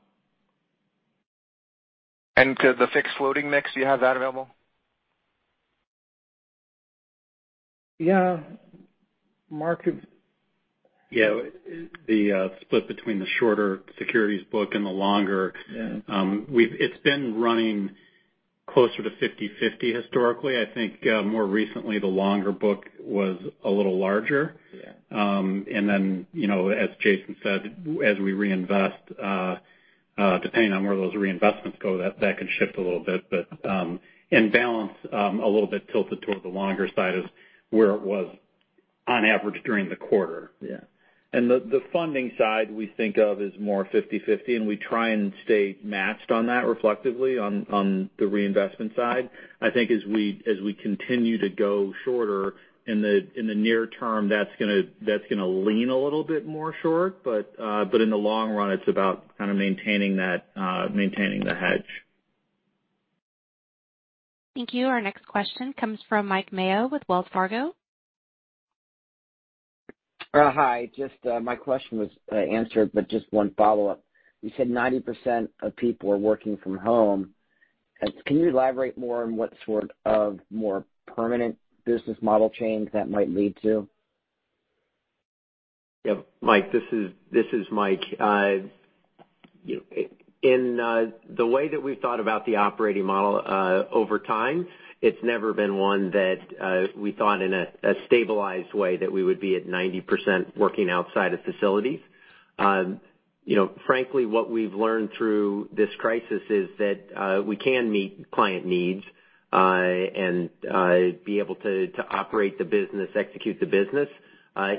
I: And the fixed floating mix, do you have that available?
D: Yeah. Michael is.
C: Yeah. The split between the shorter securities book and the longer, it's been running closer to 50/50 historically. I think more recently, the longer book was a little larger. And then as Jason said, as we reinvest, depending on where those reinvestments go, that can shift a little bit. But in balance, a little bit tilted toward the longer side is where it was on average during the quarter. Yeah. And the funding side we think of is more 50/50. And we try and stay matched on that reflectively on the reinvestment side. I think as we continue to go shorter in the near term, that's going to lean a little bit more short. But in the long run, it's about kind of maintaining the hedge.
A: Thank you. Our next question comes from Mike Mayo with Wells Fargo.
J: Hi. Just my question was answered, but just one follow-up. You said 90% of people are working from home. Can you elaborate more on what sort of more permanent business model change that might lead to?
C: Yep. Mike, this is Michael. In the way that we've thought about the operating model over time, it's never been one that we thought in a stabilized way that we would be at 90% working outside of facilities. Frankly, what we've learned through this crisis is that we can meet client needs and be able to operate the business, execute the business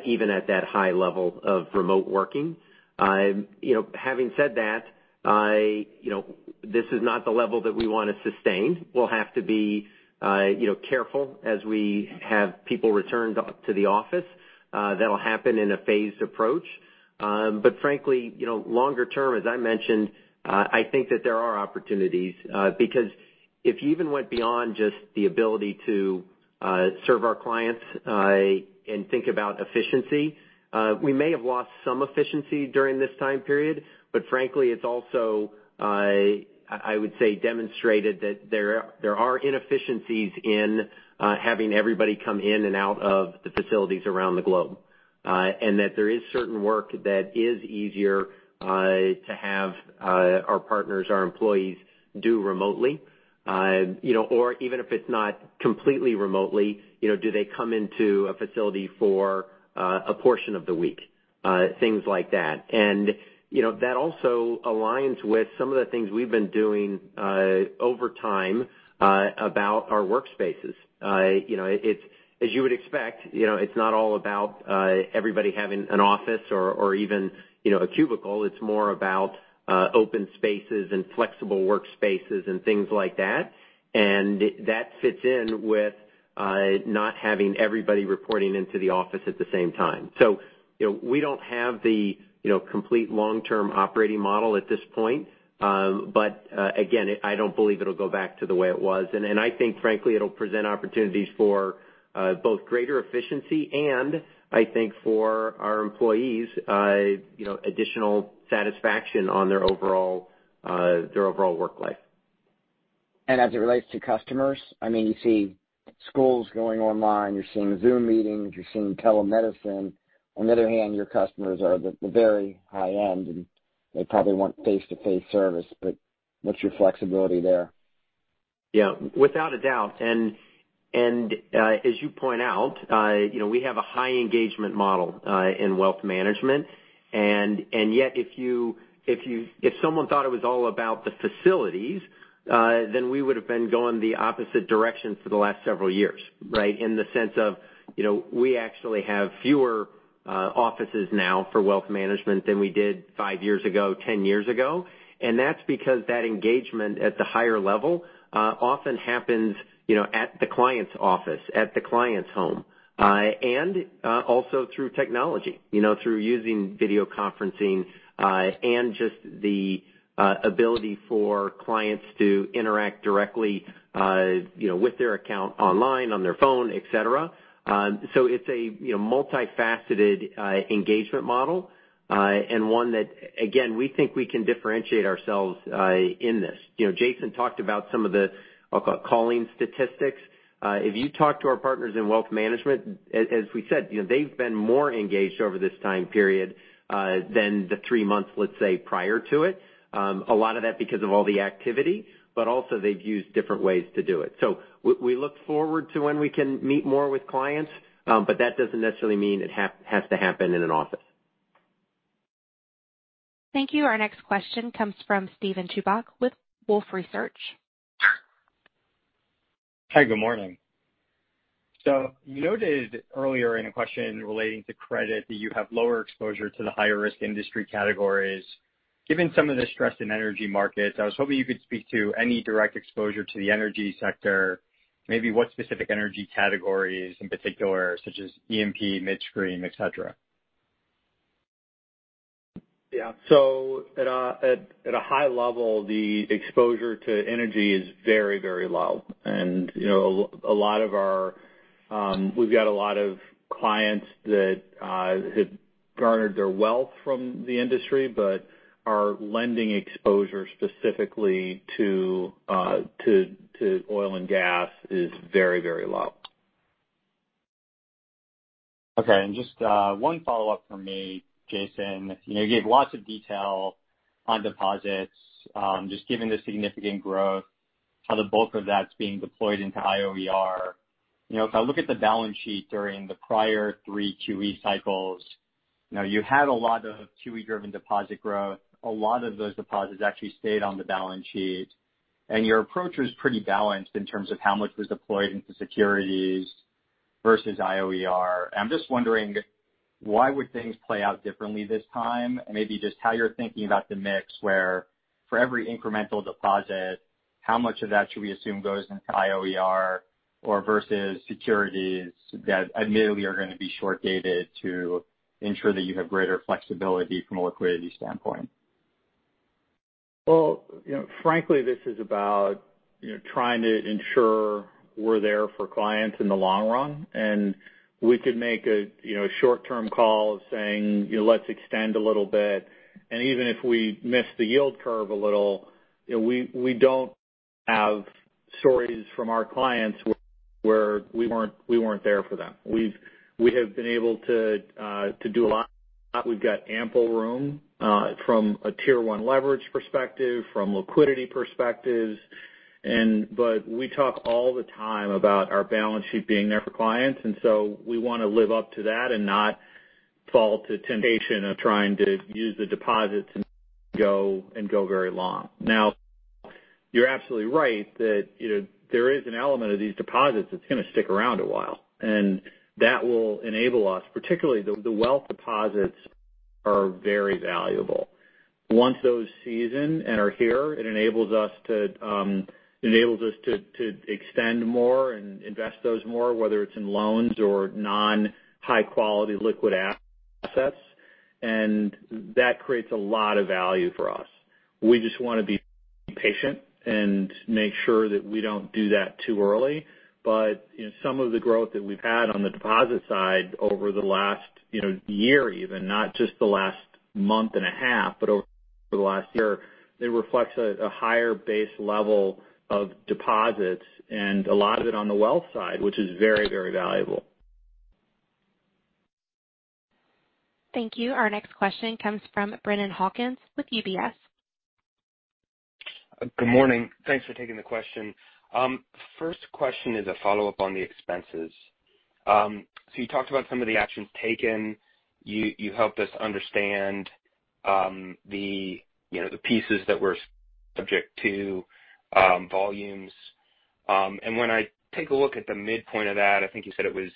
C: even at that high level of remote working. Having said that, this is not the level that we want to sustain. We'll have to be careful as we have people returned to the office. That'll happen in a phased approach, but frankly, longer term, as I mentioned, I think that there are opportunities because if you even went beyond just the ability to serve our clients and think about efficiency, we may have lost some efficiency during this time period, but frankly, it's also, I would say, demonstrated that there are inefficiencies in having everybody come in and out of the facilities around the globe and that there is certain work that is easier to have our partners, our employees do remotely, or even if it's not completely remotely, do they come into a facility for a portion of the week, things like that, and that also aligns with some of the things we've been doing over time about our workspaces. As you would expect, it's not all about everybody having an office or even a cubicle. It's more about open spaces and flexible workspaces and things like that. And that fits in with not having everybody reporting into the office at the same time. So we don't have the complete long-term operating model at this point. But again, I don't believe it'll go back to the way it was. And I think, frankly, it'll present opportunities for both greater efficiency and, I think, for our employees, additional satisfaction on their overall work life.
J: And as it relates to customers, I mean, you see schools going online. You're seeing Zoom meetings. You're seeing telemedicine. On the other hand, your customers are the very high end, and they probably want face-to-face service. But what's your flexibility there?
C: Yeah. Without a doubt. As you point out, we have a high engagement model in Wealth Management. Yet, if someone thought it was all about the facilities, then we would have been going the opposite direction for the last several years, right, in the sense of we actually have fewer offices now for Wealth Managementthan we did five years ago, 10 years ago. That's because that engagement at the higher level often happens at the client's office, at the client's home, and also through technology, through using video conferencing and just the ability for clients to interact directly with their account online, on their phone, etc. It's a multifaceted engagement model and one that, again, we think we can differentiate ourselves in this. Jason talked about some of the calling statistics. If you talk to our partners in Wealth Management, as we said, they've been more engaged over this time period than the three months, let's say, prior to it. A lot of that because of all the activity, but also they've used different ways to do it. So we look forward to when we can meet more with clients, but that doesn't necessarily mean it has to happen in an office.
A: Thank you. Our next question comes from Steven Chubak with Wolfe Research.
K: Hi. Good morning. So you noted earlier in a question relating to credit that you have lower exposure to the higher-risk industry categories. Given some of the stress in energy markets, I was hoping you could speak to any direct exposure to the energy sector, maybe what specific energy categories in particular, such as E&P, midstream, etc.
D: Yeah. So at a high level, the exposure to energy is very, very low. And we've got a lot of clients that have garnered their wealth from the industry, but our lending exposure specifically to oil and gas is very, very low.
K: Okay. And just one follow-up from me, Jason. You gave lots of detail on deposits. Just given the significant growth, how the bulk of that's being deployed into IOER. If I look at the balance sheet during the prior three QE cycles, you had a lot of QE-driven deposit growth. A lot of those deposits actually stayed on the balance sheet. And your approach was pretty balanced in terms of how much was deployed into securities versus IOER. I'm just wondering, why would things play out differently this time? And maybe just how you're thinking about the mix where for every incremental deposit, how much of that should we assume goes into IOER versus securities that admittedly are going to be short-dated to ensure that you have greater flexibility from a liquidity standpoint?
D: Well, frankly, this is about trying to ensure we're there for clients in the long run. And we could make a short-term call of saying, "Let's extend a little bit." And even if we miss the yield curve a little, we don't have stories from our clients where we weren't there for them. We have been able to do a lot. We've got ample room from a Tier 1 leverage perspective, from liquidity perspectives. But we talk all the time about our balance sheet being there for clients. And so we want to live up to that and not fall to temptation of trying to use the deposits and go very long. Now, you're absolutely right that there is an element of these deposits that's going to stick around a while. And that will enable us. Particularly, the wealth deposits are very valuable. Once those season and are here, it enables us to extend more and invest those more, whether it's in loans or non-high-quality liquid assets. And that creates a lot of value for us. We just want to be patient and make sure that we don't do that too early. But some of the growth that we've had on the deposit side over the last year even, not just the last month and a half, but over the last year, it reflects a higher base level of deposits and a lot of it on the wealth side, which is very, very valuable.
A: Thank you. Our next question comes from Brennan Hawken with UBS.
L: Good morning. Thanks for taking the question. First question is a follow-up on the expenses. So you talked about some of the actions taken. You helped us understand the pieces that we're subject to, volumes. And when I take a look at the midpoint of that, I think you said it was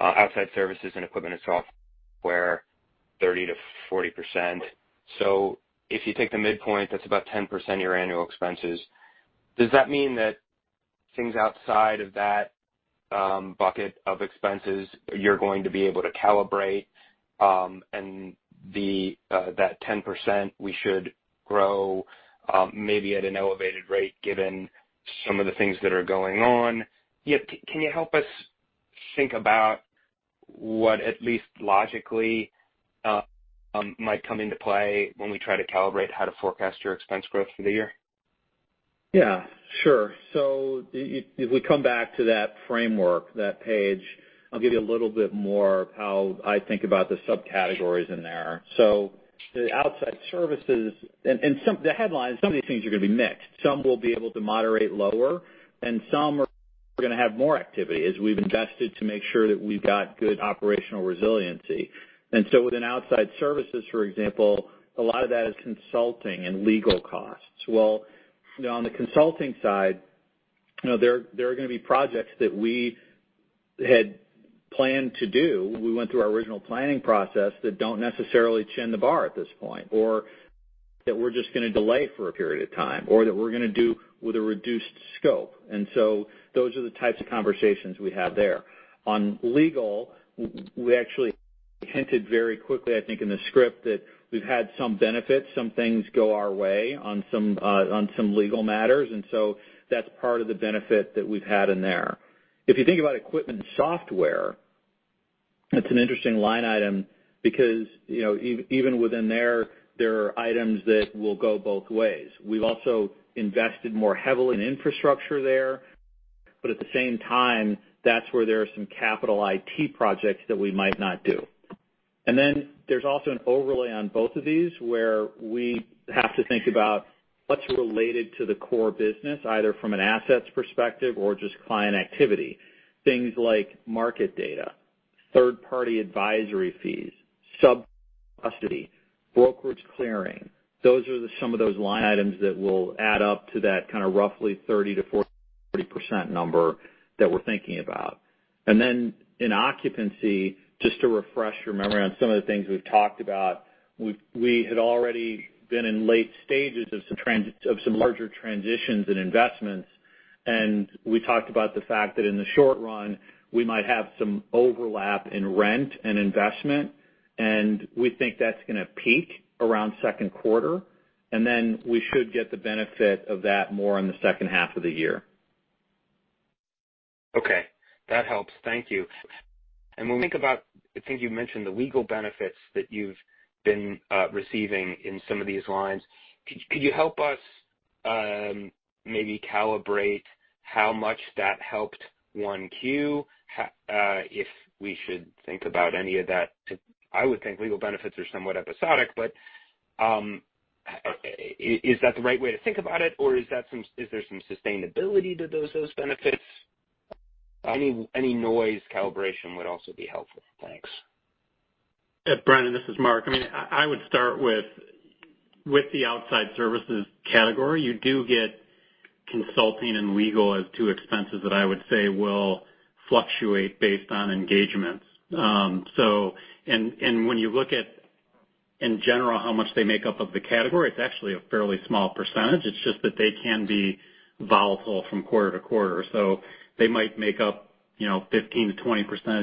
L: outside services and equipment and software, 30%-40%. So if you take the midpoint, that's about 10% of your annual expenses. Does that mean that things outside of that bucket of expenses, you're going to be able to calibrate, and that 10%, we should grow maybe at an elevated rate given some of the things that are going on? Can you help us think about what at least logically might come into play when we try to calibrate how to forecast your expense growth for the year?
D: Yeah. Sure, so if we come back to that framework, that page, I'll give you a little bit more of how I think about the subcategories in there, so the outside services and the headcount, some of these things are going to be mixed. Some will be able to moderate lower, and some are going to have more activity as we've invested to make sure that we've got good operational resiliency. And so within outside services, for example, a lot of that is consulting and legal costs. Well, on the consulting side, there are going to be projects that we had planned to do. We went through our original planning process that don't necessarily clear the bar at this point or that we're just going to delay for a period of time or that we're going to do with a reduced scope. And so those are the types of conversations we have there. On legal, we actually hinted very quickly, I think, in the script that we've had some benefits. Some things go our way on some legal matters. And so that's part of the benefit that we've had in there. If you think about equipment and software, it's an interesting line item because even within there, there are items that will go both ways. We've also invested more heavily in infrastructure there. But at the same time, that's where there are some capital IT projects that we might not do. And then there's also an overlay on both of these where we have to think about what's related to the core business, either from an assets perspective or just client activity. Things like market data, third-party advisory fees, sub-custody, brokerage clearing. Those are some of those line items that will add up to that kind of roughly 30%-40% number that we're thinking about. And then in occupancy, just to refresh your memory on some of the things we've talked about, we had already been in late stages of some larger transitions and investments. And we talked about the fact that in the short run, we might have some overlap in rent and investment. And we think that's going to peak around second quarter. And then we should get the benefit of that more in the second half of the year.
L: Okay. That helps. Thank you. And when we think about, I think you mentioned the legal benefits that you've been receiving in some of these lines, could you help us maybe calibrate how much that helped Q1 if we should think about any of that? I would think legal benefits are somewhat episodic, but is that the right way to think about it? Or is there some sustainability to those benefits? Any noise calibration would also be helpful. Thanks.
B: Brennan, this is Mark. I mean, I would start with the outside services category. You do get consulting and legal as two expenses that I would say will fluctuate based on engagements. And when you look at, in general, how much they make up of the category, it's actually a fairly small percentage. It's just that they can be volatile from quarter to quarter. So they might make up 15%-20% of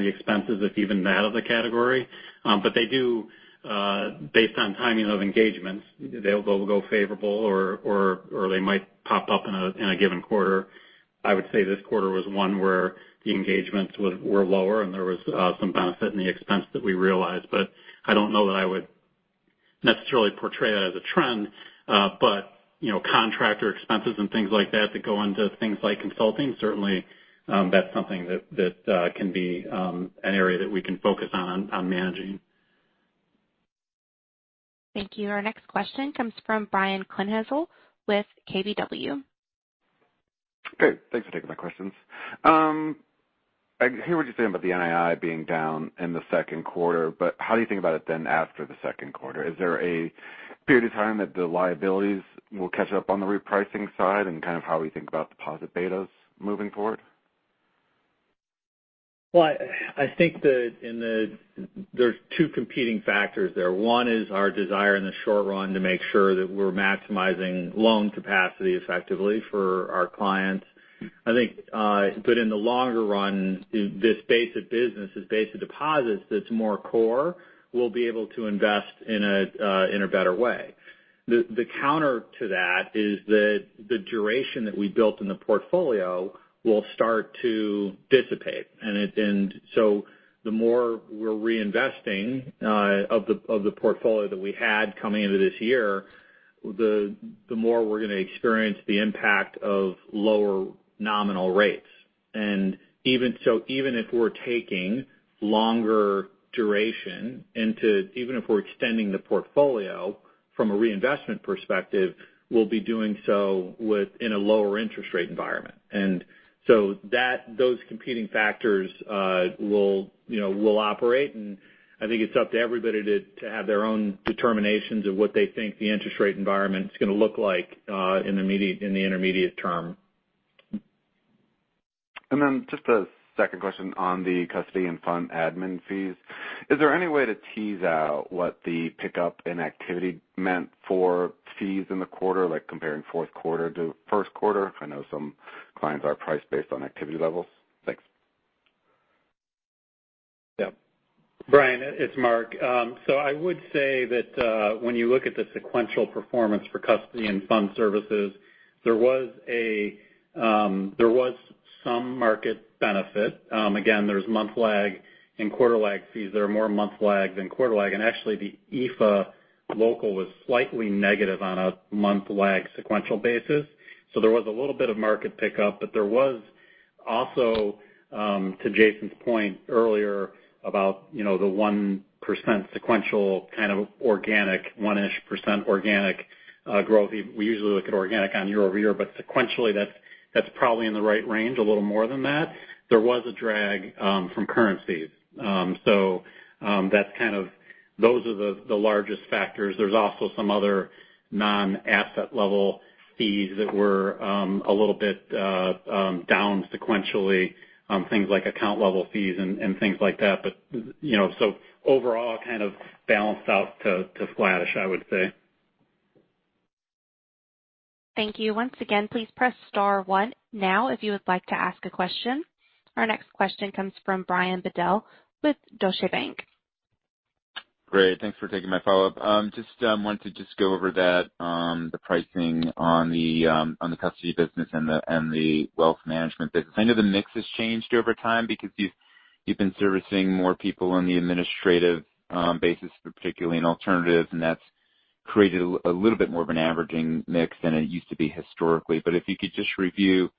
B: the expenses if even that of the category. But they do, based on timing of engagements, they'll go favorable or they might pop up in a given quarter. I would say this quarter was one where the engagements were lower, and there was some benefit in the expense that we realized. But I don't know that I would necessarily portray that as a trend. But contractor expenses and things like that that go into things like consulting, certainly, that's something that can be an area that we can focus on managing. Thank you. Our next question comes from Brian Kleinhanzl with KBW.
M: Great. Thanks for taking my questions. I hear what you're saying about the NII being down in the second quarter, but how do you think about it then after the second quarter? Is there a period of time that the liabilities will catch up on the repricing side and kind of how we think about deposit betas moving forward?
D: I think that there's two competing factors there. One is our desire in the short run to make sure that we're maximizing loan capacity effectively for our clients. But in the longer run, this base of business, this base of deposits that's more core, we'll be able to invest in a better way. The counter to that is that the duration that we built in the portfolio will start to dissipate. And so the more we're reinvesting of the portfolio that we had coming into this year, the more we're going to experience the impact of lower nominal rates. And so even if we're taking longer duration, even if we're extending the portfolio from a reinvestment perspective, we'll be doing so in a lower interest rate environment. And so those competing factors will operate. And I think it's up to everybody to have their own determinations of what they think the interest rate environment is going to look like in the intermediate term.
M: And then just a second question on the custody and fund admin fees. Is there any way to tease out what the pickup in activity meant for fees in the quarter, like comparing fourth quarter to first quarter? I know some clients are priced based on activity levels. Thanks.
B: Yep. Brian, it's Mark. So I would say that when you look at the sequential performance for custody and fund services, there was some market benefit. Again, there's month lag and quarter lag fees. There are more month lag than quarter lag. And actually, the EMEA local was slightly negative on a month lag sequential basis. So there was a little bit of market pickup. But there was also, to Jason's point earlier about the 1% sequential kind of organic, 1-ish% organic growth. We usually look at organic on year over year, but sequentially, that's probably in the right range, a little more than that. There was a drag from currencies. So that's kind of those are the largest factors. There's also some other non-asset level fees that were a little bit down sequentially, things like account level fees and things like that. But so overall, kind of balanced out to flattish, I would say.
A: Thank you. Once again, please press star one now if you would like to ask a question. Our next question comes from Brian Bedell with Deutsche Bank.
H: Great. Thanks for taking my follow-up. Just wanted to just go over that, the pricing on the custody business and the Wealth Management business. I know the mix has changed over time because you've been servicing more people on the administrative basis, particularly in alternatives. And that's created a little bit more of an averaging mix than it used to be historically. But if you could just review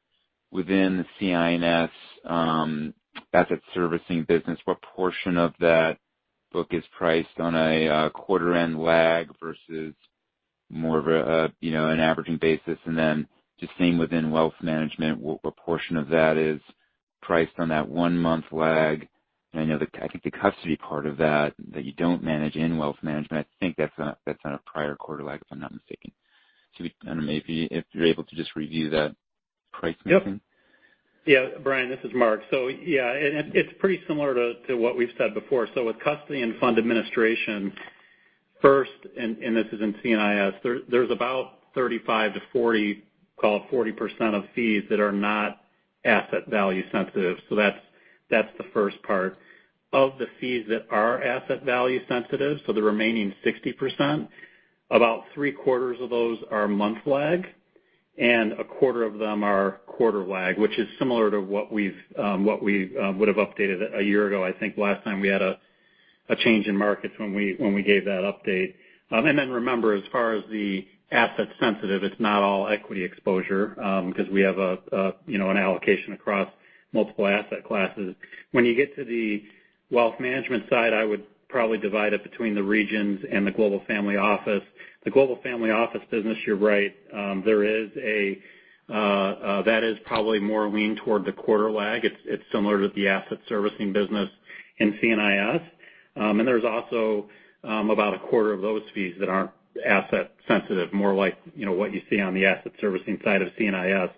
H: within the C&IS asset servicing business, what portion of that book is priced on a quarter-end lag versus more of an averaging basis? And then just same within Wealth Management, what portion of that is priced on that one-month lag? I know that I think the custody part of that that you don't manage in Wealth Management, I think that's on a prior quarter lag, if I'm not mistaken. Maybe if you're able to just review that pricing mix.
B: Yeah. Brian, this is Mark. Yeah, it's pretty similar to what we've said before. With custody and fund administration first, and this is in C&IS, there's about 35-40, call it 40% of fees that are not asset value sensitive. That's the first part. Of the fees that are asset value sensitive, so the remaining 60%, about three-quarters of those are month lag, and a quarter of them are quarter lag, which is similar to what we would have updated a year ago, I think, last time we had a change in markets when we gave that update. And then remember, as far as the asset sensitive, it's not all equity exposure because we have an allocation across multiple asset classes. When you get to the Wealth Management side, I would probably divide it between the regions and the global family office. The global family office business, you're right, there is that is probably more leaning toward the quarter lag. It's similar to the asset servicing business in C&IS. And there's also about a quarter of those fees that aren't asset sensitive, more like what you see on the asset servicing side of C&IS.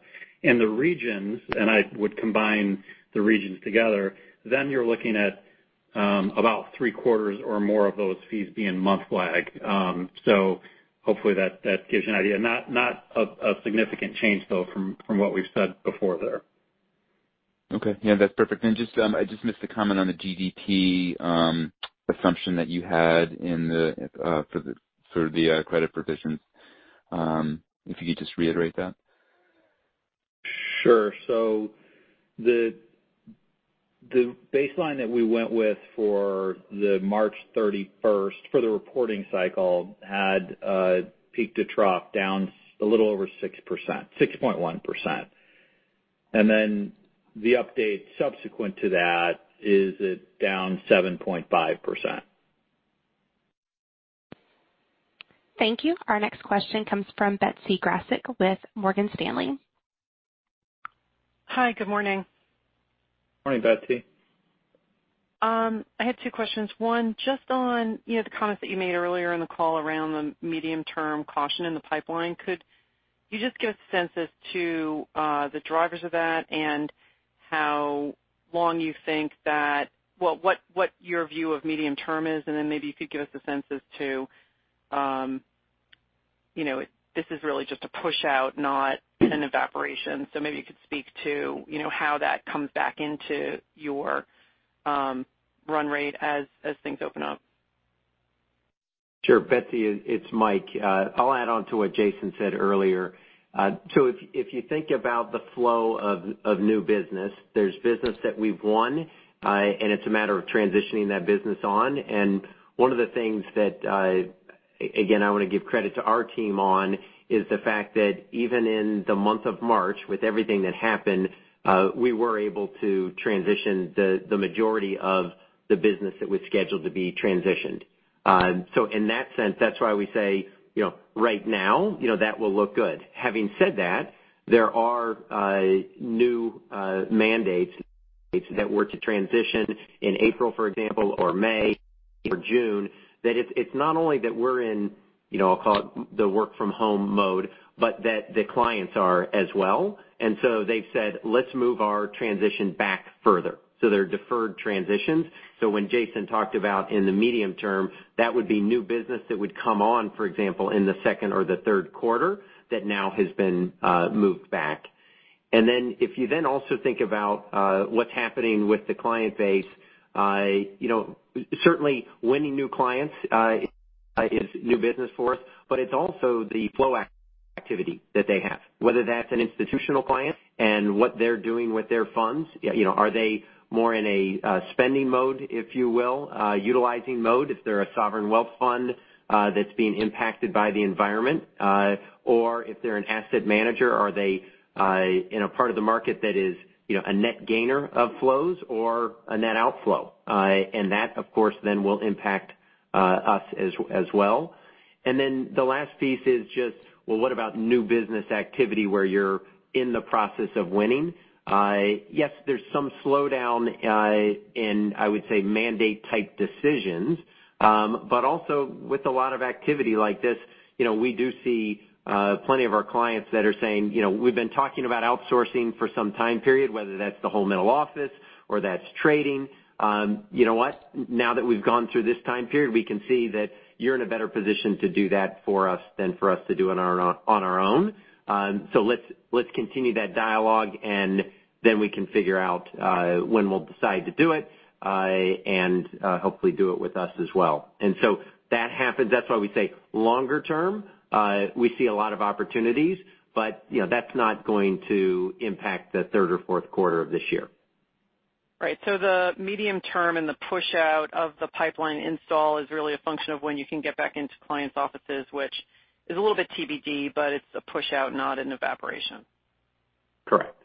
B: In the regions, and I would combine the regions together, then you're looking at about three-quarters or more of those fees being month lag. So hopefully, that gives you an idea. Not a significant change, though, from what we've said before there.
H: Okay. Yeah, that's perfect. And I just missed the comment on the GDP assumption that you had for the credit provisions. If you could just reiterate that.
B: Sure. So the baseline that we went with for the March 31st for the reporting cycle had peaked to drop down a little over 6.1%. And then the update subsequent to that is down 7.5%.
A: Thank you. Our next question comes from Betsy Graseck with Morgan Stanley.
N: Hi. Good morning.
D: Morning, Betsy.
N: I had two questions. One, just on the comments that you made earlier in the call around the medium-term caution in the pipeline, could you just give us a sense as to the drivers of that and how long you think that what your view of medium-term is? And then maybe you could give us a sense as to this is really just a push-out, not an evaporation. So maybe you could speak to how that comes back into your run rate as things open up?
C: Sure. Betsy, it's Michael. I'll add on to what Jason said earlier. So if you think about the flow of new business, there's business that we've won, and it's a matter of transitioning that business on. And one of the things that, again, I want to give credit to our team on is the fact that even in the month of March, with everything that happened, we were able to transition the majority of the business that was scheduled to be transitioned. So in that sense, that's why we say right now that will look good. Having said that, there are new mandates that were to transition in April, for example, or May or June, that it's not only that we're in, I'll call it the work-from-home mode, but that the clients are as well, and so they've said, "Let's move our transition back further," so there are deferred transitions, so when Jason talked about in the medium term, that would be new business that would come on, for example, in the second or the third quarter that now has been moved back, and then if you then also think about what's happening with the client base, certainly winning new clients is new business for us, but it's also the flow activity that they have, whether that's an institutional client and what they're doing with their funds. Are they more in a spending mode, if you will, utilizing mode if they're a sovereign wealth fund that's being impacted by the environment? Or if they're an asset manager, are they in a part of the market that is a net gainer of flows or a net outflow? And that, of course, then will impact us as well. And then the last piece is just, well, what about new business activity where you're in the process of winning? Yes, there's some slowdown in, I would say, mandate-type decisions. But also with a lot of activity like this, we do see plenty of our clients that are saying, "We've been talking about outsourcing for some time period, whether that's the whole middle office or that's trading. You know what? Now that we've gone through this time period, we can see that you're in a better position to do that for us than for us to do it on our own. So let's continue that dialogue, and then we can figure out when we'll decide to do it and hopefully do it with us as well. And so that happens. That's why we say longer term, we see a lot of opportunities, but that's not going to impact the third or fourth quarter of this year.
N: Right. So the medium-term and the push-out of the pipeline install is really a function of when you can get back into clients' offices, which is a little bit TBD, but it's a push-out, not an evaporation.
C: Correct.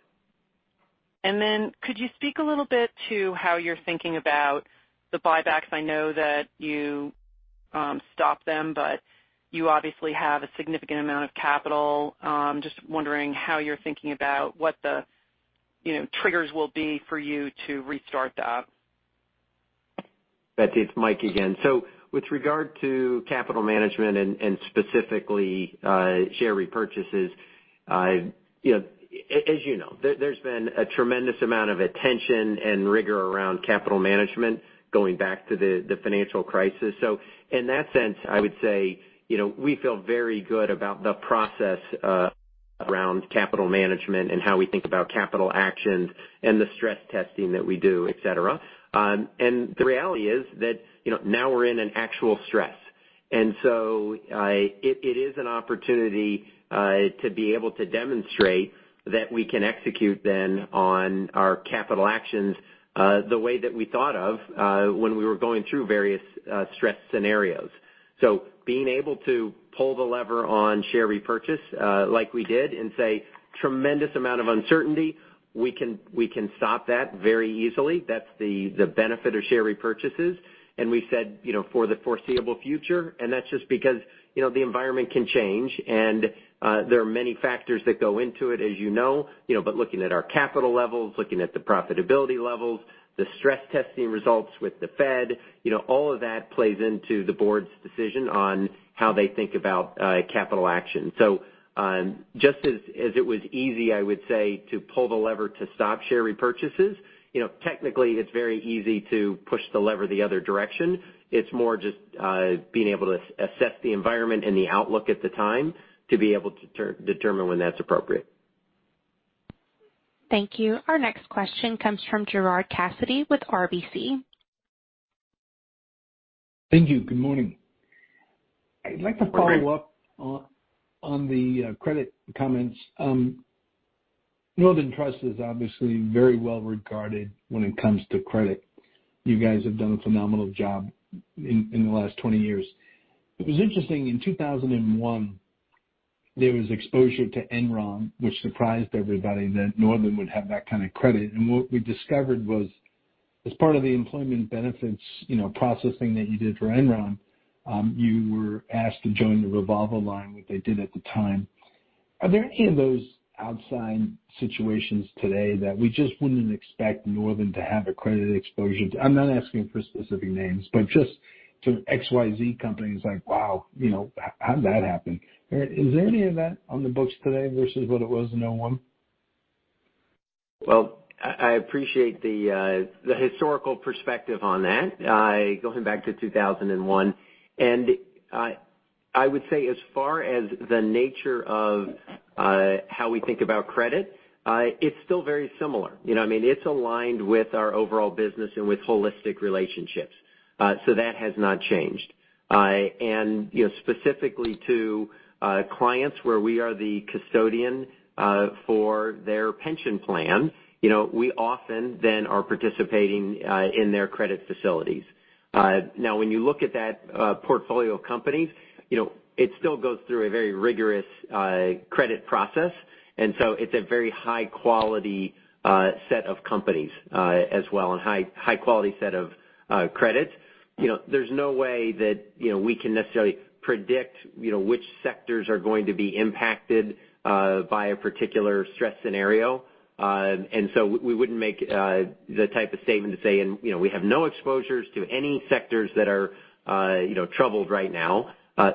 N: And then could you speak a little bit to how you're thinking about the buybacks? I know that you stopped them, but you obviously have a significant amount of capital. Just wondering how you're thinking about what the triggers will be for you to restart that.
B: Betsy, it's Michael again, so with regard to capital management and specifically share repurchases, as you know, there's been a tremendous amount of attention and rigor around capital management going back to the financial crisis, so in that sense, I would say we feel very good about the process around capital management and how we think about capital actions and the stress testing that we do, etc., and the reality is that now we're in an actual stress, and so it is an opportunity to be able to demonstrate that we can execute then on our capital actions the way that we thought of when we were going through various stress scenarios. So being able to pull the lever on share repurchase like we did and say, "Tremendous amount of uncertainty, we can stop that very easily." That's the benefit of share repurchases. And we said for the foreseeable future, and that's just because the environment can change. And there are many factors that go into it, as you know. But looking at our capital levels, looking at the profitability levels, the stress testing results with the Fed, all of that plays into the board's decision on how they think about capital action. So just as it was easy, I would say, to pull the lever to stop share repurchases, technically, it's very easy to push the lever the other direction. It's more just being able to assess the environment and the outlook at the time to be able to determine when that's appropriate.
A: Thank you. Our next question comes from Gerard Cassidy with RBC.
O: Thank you. Good morning. I'd like to follow up on the credit comments. Northern Trust is obviously very well regarded when it comes to credit. You guys have done a phenomenal job in the last 20 years. It was interesting. In 2001, there was exposure to Enron, which surprised everybody that Northern would have that kind of credit, and what we discovered was as part of the employment benefits processing that you did for Enron, you were asked to join the revolver line, what they did at the time. Are there any of those outside situations today that we just wouldn't expect Northern to have a credit exposure to? I'm not asking for specific names, but just to XYZ companies like, "Wow, how did that happen?" Is there any of that on the books today versus what it was in 2001?
C: Well, I appreciate the historical perspective on that. Going back to 2001. And I would say as far as the nature of how we think about credit, it's still very similar. I mean, it's aligned with our overall business and with holistic relationships. So that has not changed. And specifically to clients where we are the custodian for their pension plan, we often then are participating in their credit facilities. Now, when you look at that portfolio of companies, it still goes through a very rigorous credit process. And so it's a very high-quality set of companies as well, a high-quality set of credits. There's no way that we can necessarily predict which sectors are going to be impacted by a particular stress scenario. And so we wouldn't make the type of statement to say, "And we have no exposures to any sectors that are troubled right now."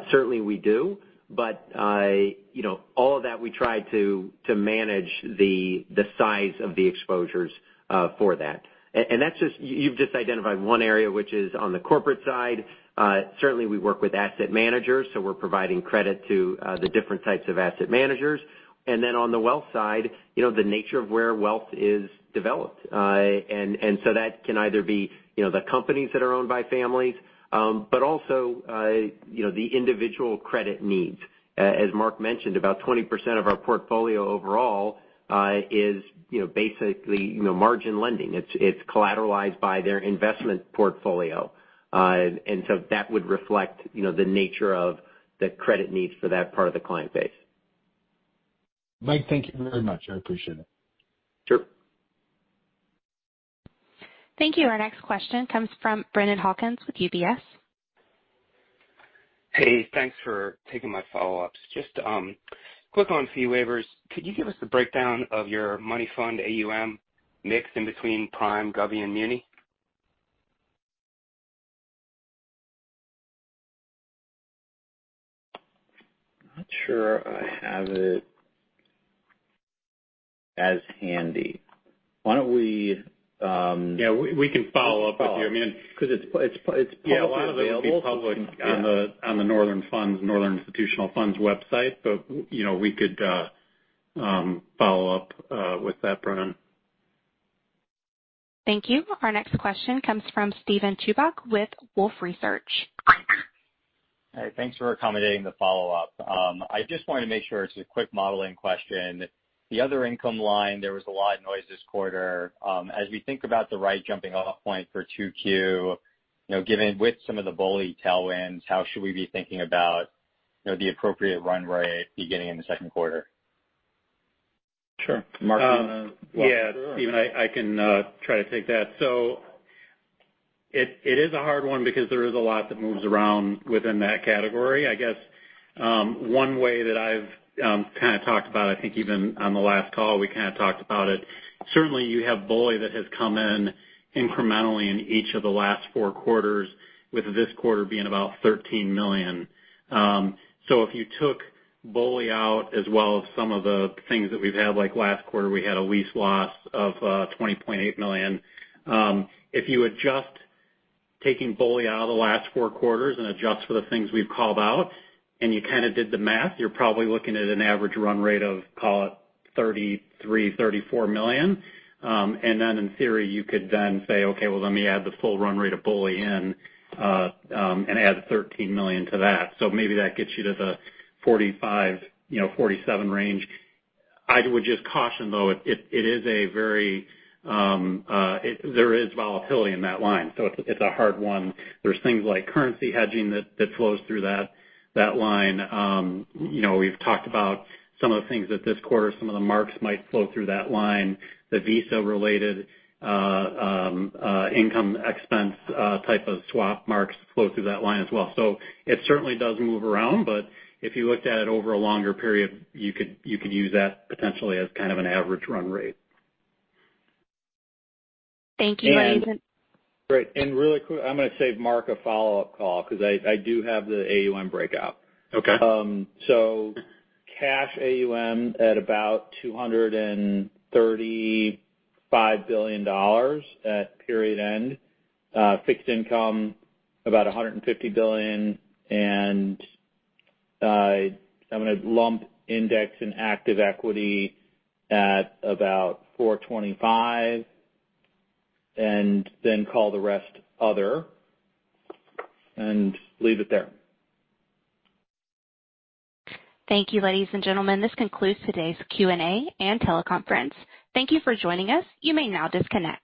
C: Certainly, we do. But all of that, we try to manage the size of the exposures for that. And you've just identified one area, which is on the corporate side. Certainly, we work with asset managers. So we're providing credit to the different types of asset managers. And then on the wealth side, the nature of where wealth is developed. And so that can either be the companies that are owned by families, but also the individual credit needs. As Mark mentioned, about 20% of our portfolio overall is basically margin lending. It's collateralized by their investment portfolio. And so that would reflect the nature of the credit needs for that part of the client base.
O: Michael, thank you very much. I appreciate it. Sure.
A: Thank you. Our next question comes from Brennan Hawken with UBS.
L: Hey, thanks for taking my follow-ups. Just quick on fee waivers. Could you give us a breakdown of your money fund AUM mix in between Prime, Government, and Muni?
C: Not sure I have it as handy. Why don't we?
D: Yeah, we can follow up with you. I mean, because it's publicly available on the Northern Institutional Funds website, but we could follow up with that, Brennan.
A: Thank you. Our next question comes from Steven Chubak with Wolfe Research.
K: Hey, thanks for accommodating the follow-up. I just wanted to make sure it's a quick modeling question. The other income line, there was a lot of noise this quarter. As we think about the right jumping-off point for 2Q, given with some of the BOLI tailwinds, how should we be thinking about the appropriate run rate beginning in the second quarter?
B: Sure. Mark. Yeah, Steven, I can try to take that. So it is a hard one because there is a lot that moves around within that category. I guess one way that I've kind of talked about, I think even on the last call, we kind of talked about it. Certainly, you have BOLI that has come in incrementally in each of the last four quarters, with this quarter being about $13 million. So if you took BOLI out as well as some of the things that we've had, like last quarter, we had a lease loss of $20.8 million. If you adjust taking BOLI out of the last four quarters and adjust for the things we've called out, and you kind of did the math, you're probably looking at an average run rate of, call it, $33 million-$34 million. And then in theory, you could then say, "Okay, well, let me add the full run rate of BOLI in and add $13 million to that." So maybe that gets you to the $45-$47 range. I would just caution, though, there is volatility in that line. So it's a hard one. There are things like currency hedging that flow through that line. We have talked about some of the things that this quarter, some of the marks might flow through that line. The Visa-related income expense type of swap marks flow through that line as well. So it certainly does move around, but if you looked at it over a longer period, you could use that potentially as kind of an average run rate.
A: Thank you, Bette.
D: Great. And really quick, I am going to save Mark a follow-up call because I do have the AUM breakout. So cash AUM at about $235 billion at period end, fixed income about $150 billion, and I'm going to lump index and active equity at about $425, and then call the rest other and leave it there.
A: Thank you, ladies and gentlemen. This concludes today's Q&A and teleconference. Thank you for joining us. You may now disconnect.